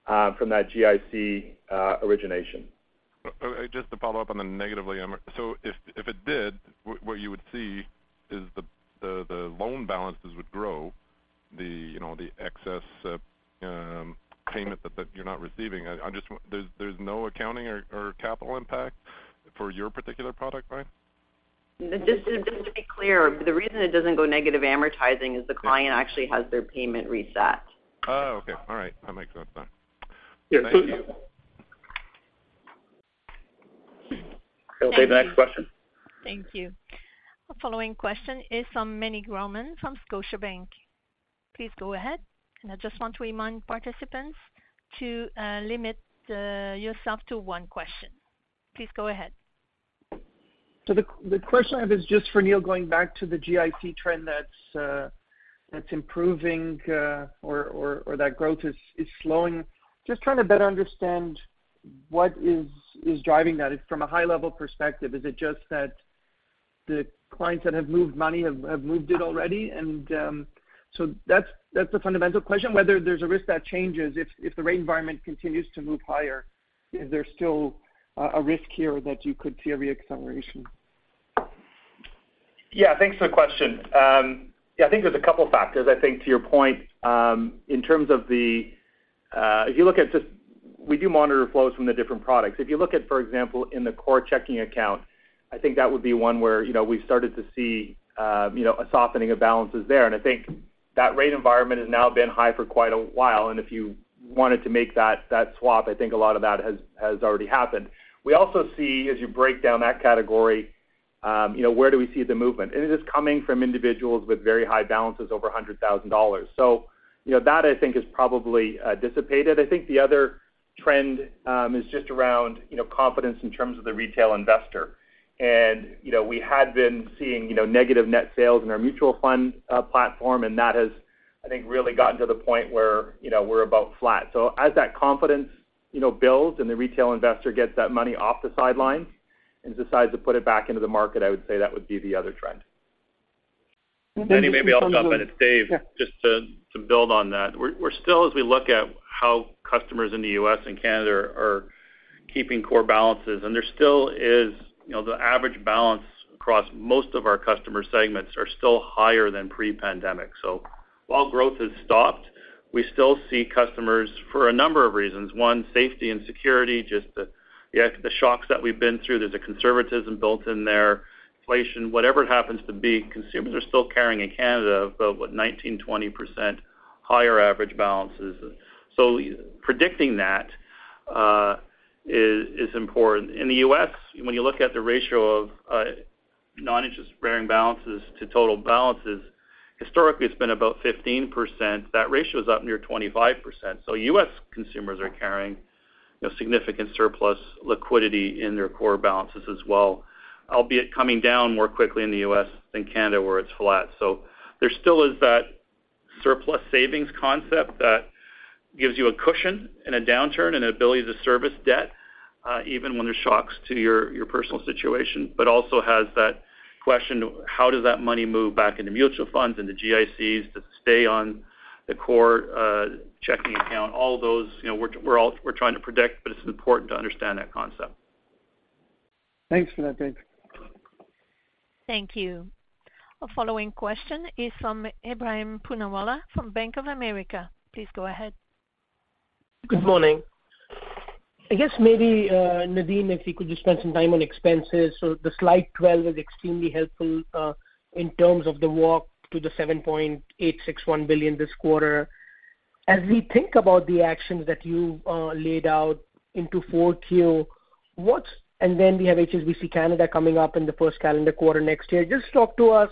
from that GIC origination. Just to follow up on the negatively amortized. So if it did, what you would see is the loan balances would grow, you know, the excess payment that you're not receiving. I just want. There's no accounting or capital impact for your particular product, right? Just, just to be clear, the reason it doesn't go negative amortizing is the client actually has their payment reset. Oh, okay. All right. That makes a lot of sense. Yeah, so- Thank you. Thank you. Okay, next question. Thank you. Our following question is from Meny Grauman from Scotiabank. Please go ahead, and I just want to remind participants to limit yourself to one question. Please go ahead. So the question I have is just for Neil, going back to the GIC trend that's improving, or that growth is slowing. Just trying to better understand what is driving that. From a high level perspective, is it just that the clients that have moved money have moved it already? And so that's the fundamental question, whether there's a risk that changes if the rate environment continues to move higher, is there still a risk here that you could see a reacceleration? Yeah, thanks for the question. Yeah, I think there's a couple factors. I think to your point, in terms of the, if you look at just, we do monitor flows from the different products. If you look at, for example, in the core checking account, I think that would be one where, you know, we've started to see, you know, a softening of balances there. And I think that rate environment has now been high for quite a while, and if you wanted to make that swap, I think a lot of that has already happened. We also see, as you break down that category, you know, where do we see the movement? And it is coming from individuals with very high balances over 100,000 dollars. So you know, that I think is probably dissipated. I think the other trend is just around, you know, confidence in terms of the retail investor. And you know, we had been seeing, you know, negative net sales in our mutual fund platform, and that has, I think, really gotten to the point where, you know, we're about flat. So as that confidence, you know, builds and the retail investor gets that money off the sidelines and decides to put it back into the market, I would say that would be the other trend. Meny, maybe I'll jump in. It's Dave. Yeah. Just to, to build on that. We're, we're still as we look at how customers in the U.S. and Canada are keeping core balances, and there still is, you know, the average balance across most of our customer segments are still higher than pre-pandemic. So while growth has stopped, we still see customers for a number of reasons. One, safety and security, just the, the, the shocks that we've been through. There's a conservatism built in there, inflation, whatever it happens to be, consumers are still carrying in Canada about, what, 19%-20% higher average balances. So predicting that, is, is important. In the U.S., when you look at the ratio of, non-interest-bearing balances to total balances, historically, it's been about 15%. That ratio is up near 25%. So U.S. consumers are carrying a significant surplus liquidity in their core balances as well, albeit coming down more quickly in the U.S. than Canada, where it's flat. So there still is that surplus savings concept that gives you a cushion and a downturn and an ability to service debt, even when there's shocks to your, your personal situation, but also has that question: How does that money move back into mutual funds and the GICs to stay on the core checking account? All those, you know, we're all trying to predict, but it's important to understand that concept. Thanks for that, Dave. Thank you. Our following question is from Ebrahim Poonawala, from Bank of America. Please go ahead. Good morning. I guess maybe, Nadine, if you could just spend some time on expenses. So the slide 12 is extremely helpful, in terms of the walk to the 7.861 billion this quarter. As we think about the actions that you, laid out into 4Q, and then we have HSBC Bank Canada coming up in the first calendar quarter next year. Just talk to us,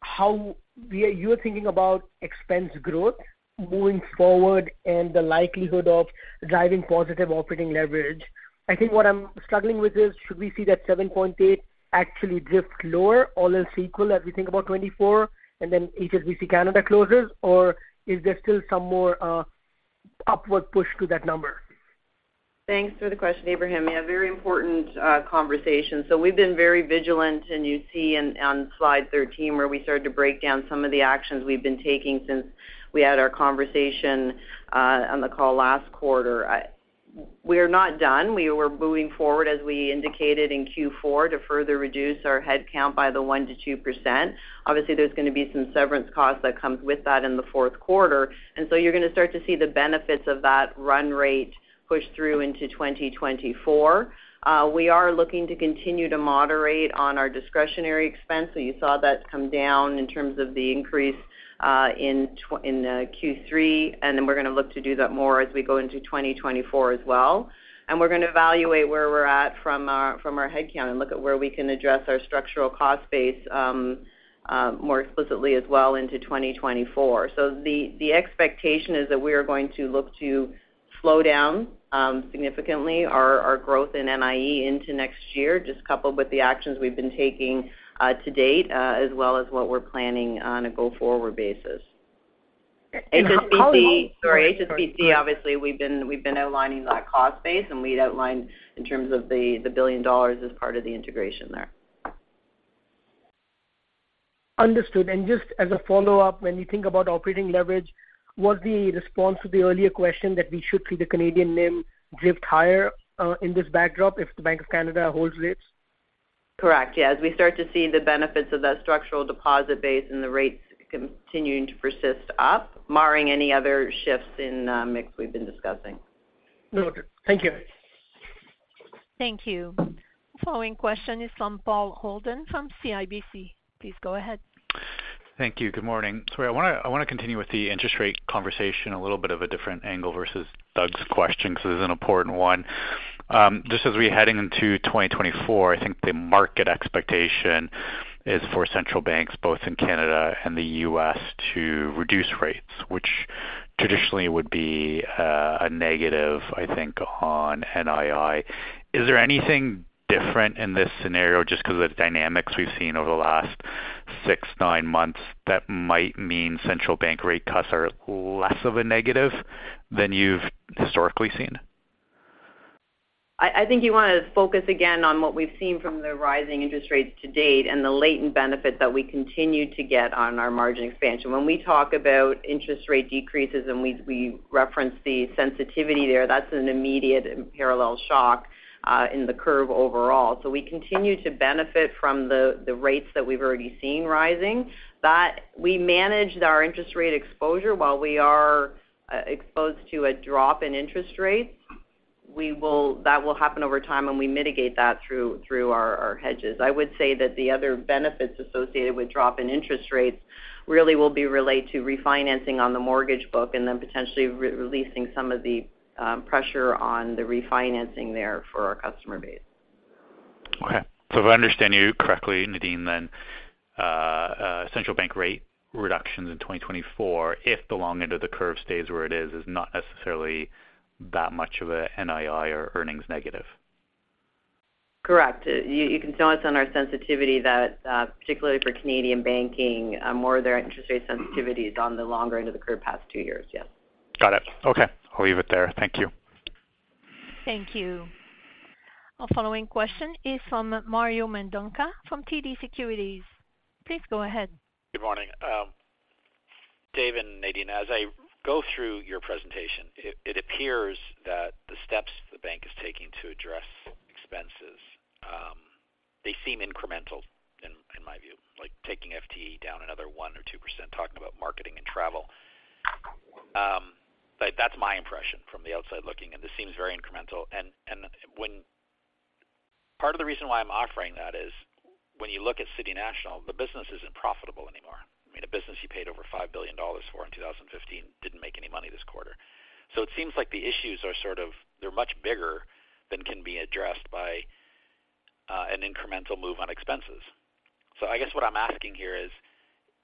how you are thinking about expense growth moving forward and the likelihood of driving positive operating leverage. I think what I'm struggling with is, should we see that 7.8 billion actually drift lower, all else equal, as we think about 2024, and then HSBC Bank Canada closes, or is there still some more, upward push to that number? Thanks for the question, Ebrahim. Yeah, very important, conversation. So we've been very vigilant, and you see on, on slide 13, where we started to break down some of the actions we've been taking since we had our conversation, on the call last quarter. We are not done. We were moving forward, as we indicated in Q4, to further reduce our headcount by the 1%-2%. Obviously, there's going to be some severance costs that comes with that in the fourth quarter, and so you're going to start to see the benefits of that run rate push through into 2024. We are looking to continue to moderate on our discretionary expense, so you saw that come down in terms of the increase in Q3, and then we're going to look to do that more as we go into 2024 as well. And we're going to evaluate where we're at from our headcount and look at where we can address our structural cost base more explicitly as well into 2024. So the expectation is that we are going to look to slow down significantly our growth in NIE into next year, just coupled with the actions we've been taking to date as well as what we're planning on a go-forward basis. HSBC- And how- Sorry, HSBC, obviously, we've been outlining that cost base, and we'd outlined in terms of the 1 billion dollars as part of the integration there. Understood. Just as a follow-up, when you think about operating leverage, was the response to the earlier question that we should see the Canadian NIM drift higher in this backdrop if the Bank of Canada holds rates? Correct. Yes, as we start to see the benefits of that structural deposit base and the rates continuing to persist up, mirroring any other shifts in mix we've been discussing. No, okay. Thank you. Thank you. Following question is from Paul Holden from CIBC. Please go ahead. Thank you. Good morning. So I wanna continue with the interest rate conversation, a little bit of a different angle versus Doug's question, because it's an important one. Just as we're heading into 2024, I think the market expectation is for central banks, both in Canada and the U.S., to reduce rates, which traditionally would be a negative, I think, on NII. Is there anything different in this scenario just because of the dynamics we've seen over the last 6-9 months, that might mean central bank rate cuts are less of a negative than you've historically seen? I think you want to focus again on what we've seen from the rising interest rates to date and the latent benefit that we continue to get on our margin expansion. When we talk about interest rate decreases and we reference the sensitivity there, that's an immediate and parallel shock in the curve overall. So we continue to benefit from the rates that we've already seen rising. That we managed our interest rate exposure while we are exposed to a drop in interest rates, we will. That will happen over time, and we mitigate that through our hedges. I would say that the other benefits associated with drop in interest rates really will be related to refinancing on the mortgage book and then potentially re-releasing some of the pressure on the refinancing there for our customer base. Okay. So if I understand you correctly, Nadine, then central bank rate reductions in 2024, if the long end of the curve stays where it is, is not necessarily that much of a NII or earnings negative? Correct. You can tell us on our sensitivity that, particularly for Canadian banking, more of their interest rate sensitivity is on the longer end of the curve past two years. Yes. Got it. Okay. I'll leave it there. Thank you. Thank you. Our following question is from Mario Mendonca from TD Securities. Please go ahead. Good morning. Dave and Nadine, as I go through your presentation, it appears that the steps the bank is taking to address expenses, they seem incremental in my view, like taking FTE down another 1 or 2%, talking about marketing and travel. But that's my impression from the outside looking, and this seems very incremental. And when-- Part of the reason why I'm offering that is, when you look at City National, the business isn't profitable anymore. I mean, a business you paid over $5 billion for in 2015, didn't make any money this quarter. So it seems like the issues are sort of, they're much bigger than can be addressed by an incremental move on expenses. So I guess what I'm asking here is,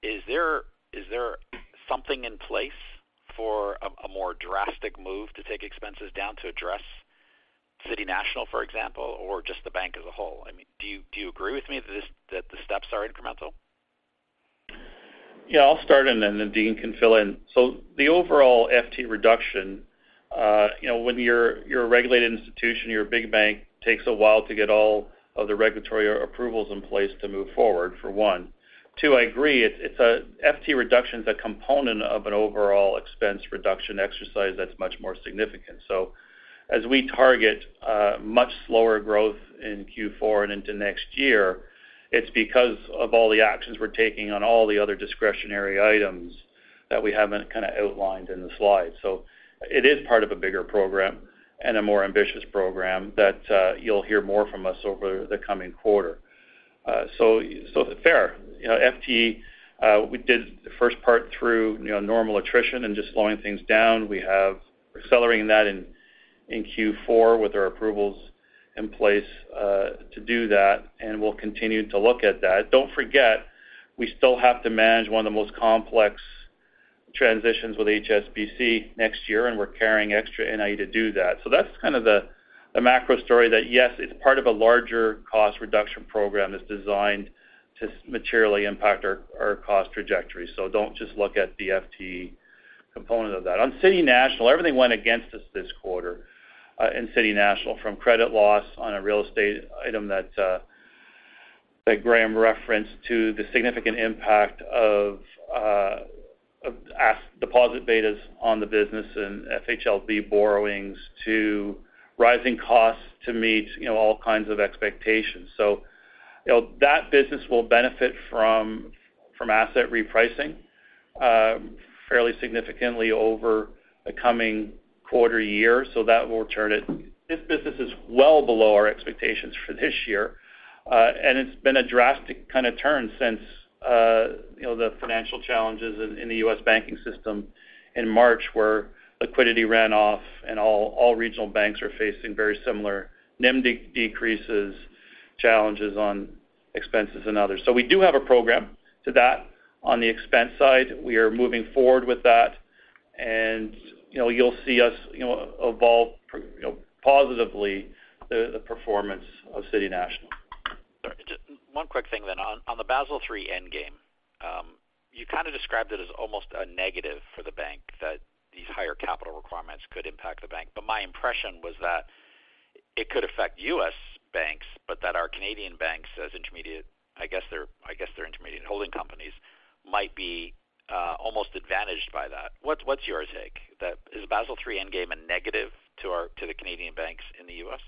is there something in place for a more drastic move to take expenses down to address City National, for example, or just the bank as a whole? I mean, do you agree with me that this, that the steps are incremental? Yeah, I'll start and then Nadine can fill in. So the overall FTE reduction, you know, when you're a regulated institution, you're a big bank, takes a while to get all of the regulatory approvals in place to move forward, for one. Two, I agree, it's a FTE reduction is a component of an overall expense reduction exercise that's much more significant. So as we target much slower growth in Q4 and into next year, it's because of all the actions we're taking on all the other discretionary items that we haven't kind of outlined in the slide. So it is part of a bigger program and a more ambitious program that you'll hear more from us over the coming quarter. So, so fair. You know, FTE, we did the first part through, you know, normal attrition and just slowing things down. We have accelerating that in Q4 with our approvals in place to do that, and we'll continue to look at that. Don't forget, we still have to manage one of the most complex transitions with HSBC next year, and we're carrying extra NII to do that. So that's kind of the macro story that, yes, it's part of a larger cost reduction program that's designed to materially impact our cost trajectory. So don't just look at the FTE component of that. On City National, everything went against us this quarter in City National, from credit loss on a real estate item that Graeme referenced, to the significant impact of deposit betas on the business and FHLB borrowings to rising costs to meet, you know, all kinds of expectations. So, you know, that business will benefit from asset repricing fairly significantly over the coming quarter year, so that will turn it. This business is well below our expectations for this year, and it's been a drastic kind of turn since, you know, the financial challenges in the U.S. banking system in March, where liquidity ran off and all regional banks are facing very similar NIM decreases- ... challenges on expenses and others. So we do have a program to that. On the expense side, we are moving forward with that, and, you know, you'll see us, you know, evolve, you know, positively the performance of City National. Sorry, just one quick thing then. On the Basel III endgame, you kind of described it as almost a negative for the bank, that these higher capital requirements could impact the bank. But my impression was that it could affect U.S. banks, but that our Canadian banks, as intermediate, I guess they're intermediate holding companies, might be almost advantaged by that. What's your take? That is Basel III endgame a negative to the Canadian banks in the U.S.?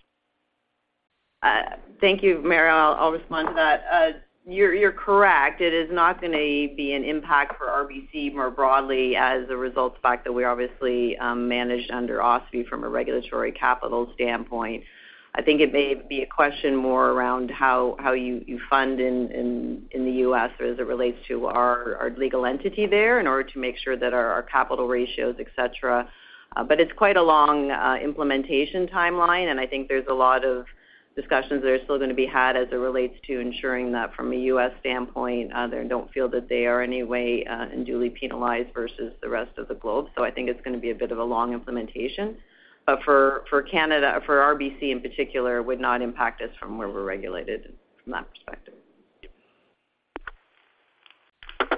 Thank you, Mario. I'll respond to that. You're correct. It is not going to be an impact for RBC more broadly as a result of the fact that we obviously managed under OSFI from a regulatory capital standpoint. I think it may be a question more around how you fund in the U.S. as it relates to our legal entity there in order to make sure that our capital ratios, et cetera. But it's quite a long implementation timeline, and I think there's a lot of discussions that are still going to be had as it relates to ensuring that from a U.S. standpoint, they don't feel that they are in any way unduly penalized versus the rest of the globe. So I think it's going to be a bit of a long implementation. But for Canada, for RBC in particular, it would not impact us from where we're regulated from that perspective.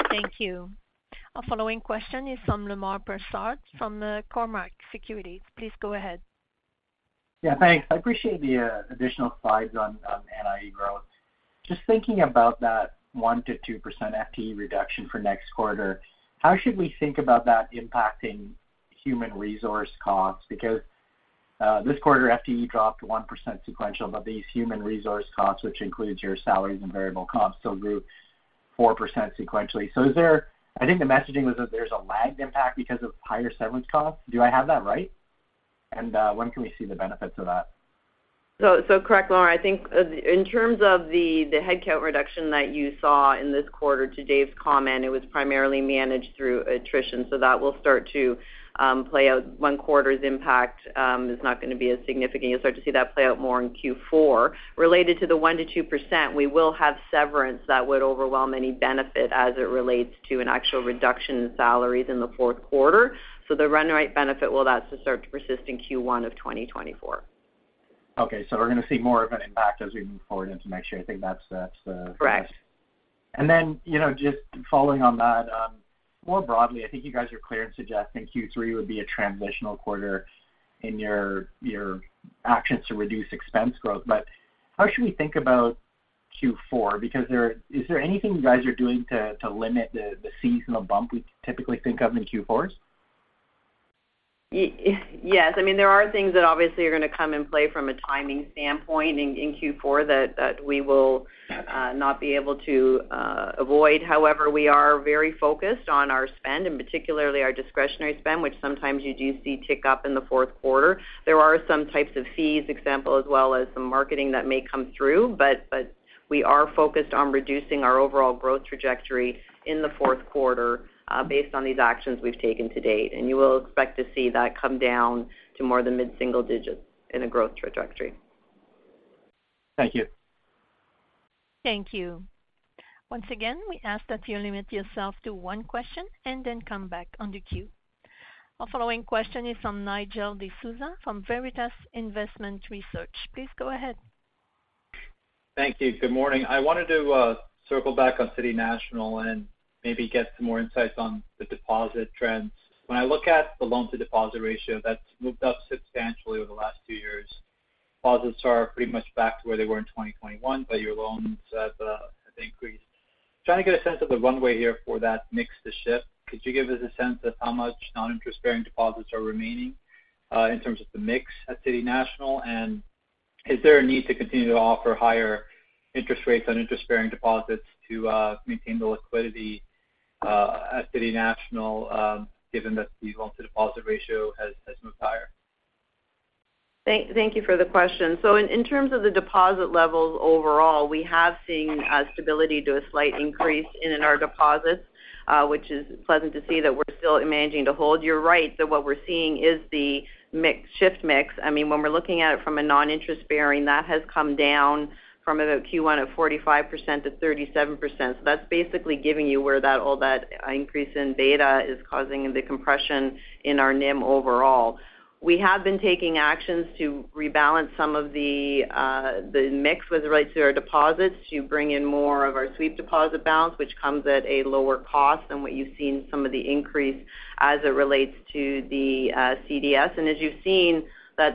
Thank you. Our following question is from Lemar Persaud, from the Cormark Securities. Please go ahead. Yeah, thanks. I appreciate the additional slides on NIE growth. Just thinking about that 1%-2% FTE reduction for next quarter, how should we think about that impacting human resource costs? Because this quarter, FTE dropped 1% sequential, but these human resource costs, which includes your salaries and variable costs, still grew 4% sequentially. So is there—I think the messaging was that there's a lagged impact because of higher severance costs. Do I have that right? And when can we see the benefits of that? So, so correct, Lemar. I think, in terms of the, the headcount reduction that you saw in this quarter, to Dave's comment, it was primarily managed through attrition, so that will start to play out. One quarter's impact is not going to be as significant. You'll start to see that play out more in Q4. Related to the 1%-2%, we will have severance that would overwhelm any benefit as it relates to an actual reduction in salaries in the fourth quarter. So the run rate benefit will thus start to persist in Q1 of 2024. Okay, so we're going to see more of an impact as we move forward into next year. I think that's, that's the- Correct. Then, you know, just following on that, more broadly, I think you guys are clear in suggesting Q3 would be a transitional quarter in your actions to reduce expense growth. But how should we think about Q4? Because, is there anything you guys are doing to limit the seasonal bump we typically think of in Q4s? Yes. I mean, there are things that obviously are going to come in play from a timing standpoint in Q4 that we will- Got it. not be able to avoid. However, we are very focused on our spend, and particularly our discretionary spend, which sometimes you do see tick up in the fourth quarter. There are some types of fees, example, as well as some marketing that may come through, but, but we are focused on reducing our overall growth trajectory in the fourth quarter, based on these actions we've taken to date. And you will expect to see that come down to more the mid-single digits in a growth trajectory. Thank you. Thank you. Once again, we ask that you limit yourself to one question and then come back on the queue. Our following question is from Nigel D'Souza, from Veritas Investment Research. Please go ahead. Thank you. Good morning. I wanted to circle back on City National and maybe get some more insights on the deposit trends. When I look at the loan-to-deposit ratio, that's moved up substantially over the last two years. Deposits are pretty much back to where they were in 2021, but your loans have have increased. Trying to get a sense of the runway here for that mix to shift, could you give us a sense of how much non-interest-bearing deposits are remaining in terms of the mix at City National? And is there a need to continue to offer higher interest rates on interest-bearing deposits to maintain the liquidity at City National, given that the loan-to-deposit ratio has has moved higher? Thank you for the question. So in terms of the deposit levels overall, we have seen stability to a slight increase in our deposits, which is pleasant to see that we're still managing to hold. You're right, that what we're seeing is the mix shift mix. I mean, when we're looking at it from a non-interest bearing, that has come down from about Q1 of 45% to 37%. So that's basically giving you where that all that increase in beta is causing the compression in our NIM overall. We have been taking actions to rebalance some of the mix with regard to our deposits to bring in more of our sweep deposit balance, which comes at a lower cost than what you've seen some of the increase as it relates to the CDS. As you've seen,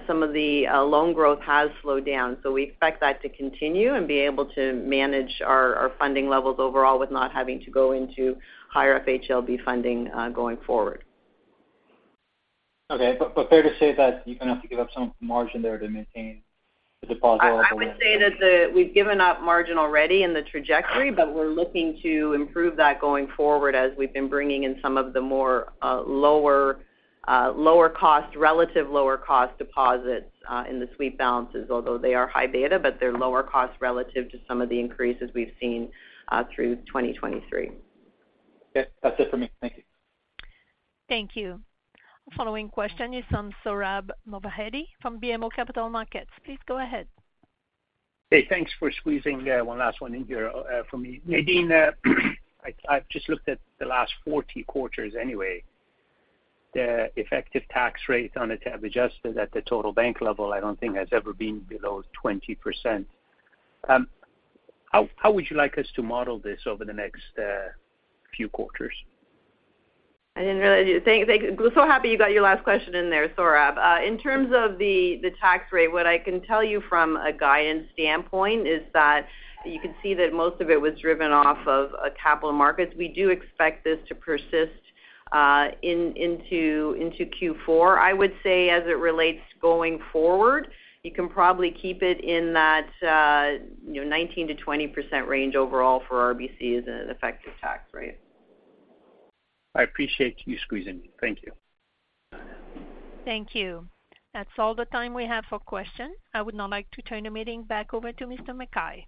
some of the loan growth has slowed down, so we expect that to continue and be able to manage our funding levels overall with not having to go into higher FHLB funding going forward. Okay, but fair to say that you're going to have to give up some margin there to maintain the deposit level? I would say that we've given up margin already in the trajectory, but we're looking to improve that going forward as we've been bringing in some of the more lower cost, relative lower cost deposits, in the sweep balances. Although they are high beta, but they're lower cost relative to some of the increases we've seen, through 2023. Okay. That's it for me. Thank you. Thank you. The following question is from Sohrab Movahedi from BMO Capital Markets. Please go ahead. Hey, thanks for squeezing one last one in here for me. Nadine, I, I've just looked at the last 40 quarters anyway. The effective tax rate on a tax-adjusted basis at the total bank level, I don't think has ever been below 20%. How would you like us to model this over the next few quarters? Thank you, so happy you got your last question in there, Sohrab. In terms of the tax rate, what I can tell you from a guidance standpoint is that you can see that most of it was driven off of capital markets. We do expect this to persist into Q4. I would say as it relates going forward, you can probably keep it in that, you know, 19%-20% range overall for RBC as an effective tax rate. I appreciate you squeezing me. Thank you. Thank you. That's all the time we have for questions. I would now like to turn the meeting back over to Mr. McKay.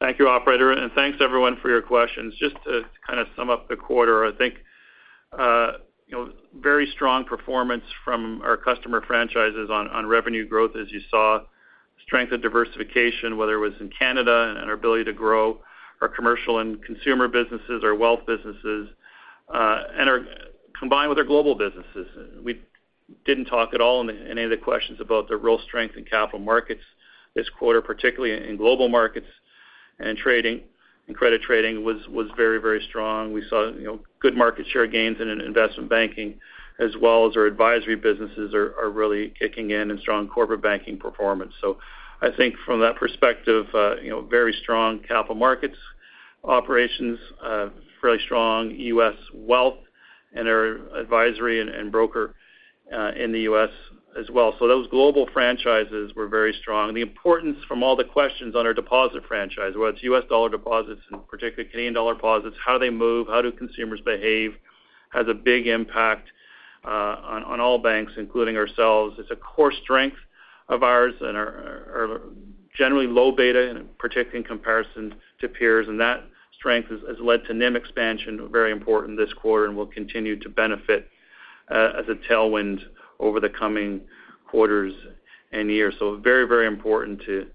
Thank you, operator, and thanks, everyone, for your questions. Just to kind of sum up the quarter, I think, you know, very strong performance from our customer franchises on revenue growth, as you saw. Strength and diversification, whether it was in Canada and our ability to grow our commercial and consumer businesses, our wealth businesses, and are combined with our global businesses. We didn't talk at all in any of the questions about the real strength in capital markets this quarter, particularly in global markets and trading, and credit trading was very, very strong. We saw, you know, good market share gains in investment banking, as well as our advisory businesses are really kicking in and strong corporate banking performance. So I think from that perspective, you know, very strong capital markets operations, very strong U.S. wealth and our advisory and, and broker, in the U.S. as well. So those global franchises were very strong. The importance from all the questions on our deposit franchise, whether it's U.S. dollar deposits, and particularly Canadian dollar deposits, how they move, how do consumers behave, has a big impact, on, on all banks, including ourselves. It's a core strength of ours and are generally low beta, and particularly in comparison to peers. And that strength has led to NIM expansion, very important this quarter and will continue to benefit, as a tailwind over the coming quarters and years. So very, very important to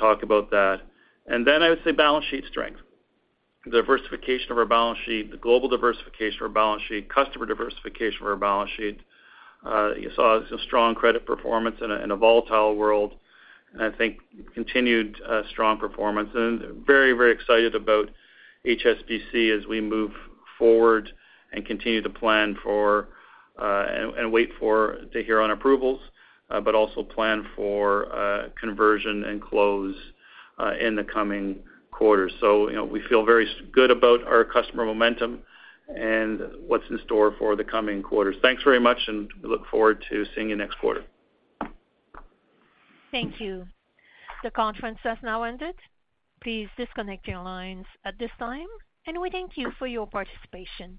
talk about that. And then I would say balance sheet strength. The diversification of our balance sheet, the global diversification of our balance sheet, customer diversification of our balance sheet. You saw some strong credit performance in a volatile world, and I think continued strong performance and very, very excited about HSBC as we move forward and continue to plan for, and wait for to hear on approvals, but also plan for conversion and close in the coming quarters. So, you know, we feel very good about our customer momentum and what's in store for the coming quarters. Thanks very much, and we look forward to seeing you next quarter. Thank you. The conference has now ended. Please disconnect your lines at this time, and we thank you for your participation.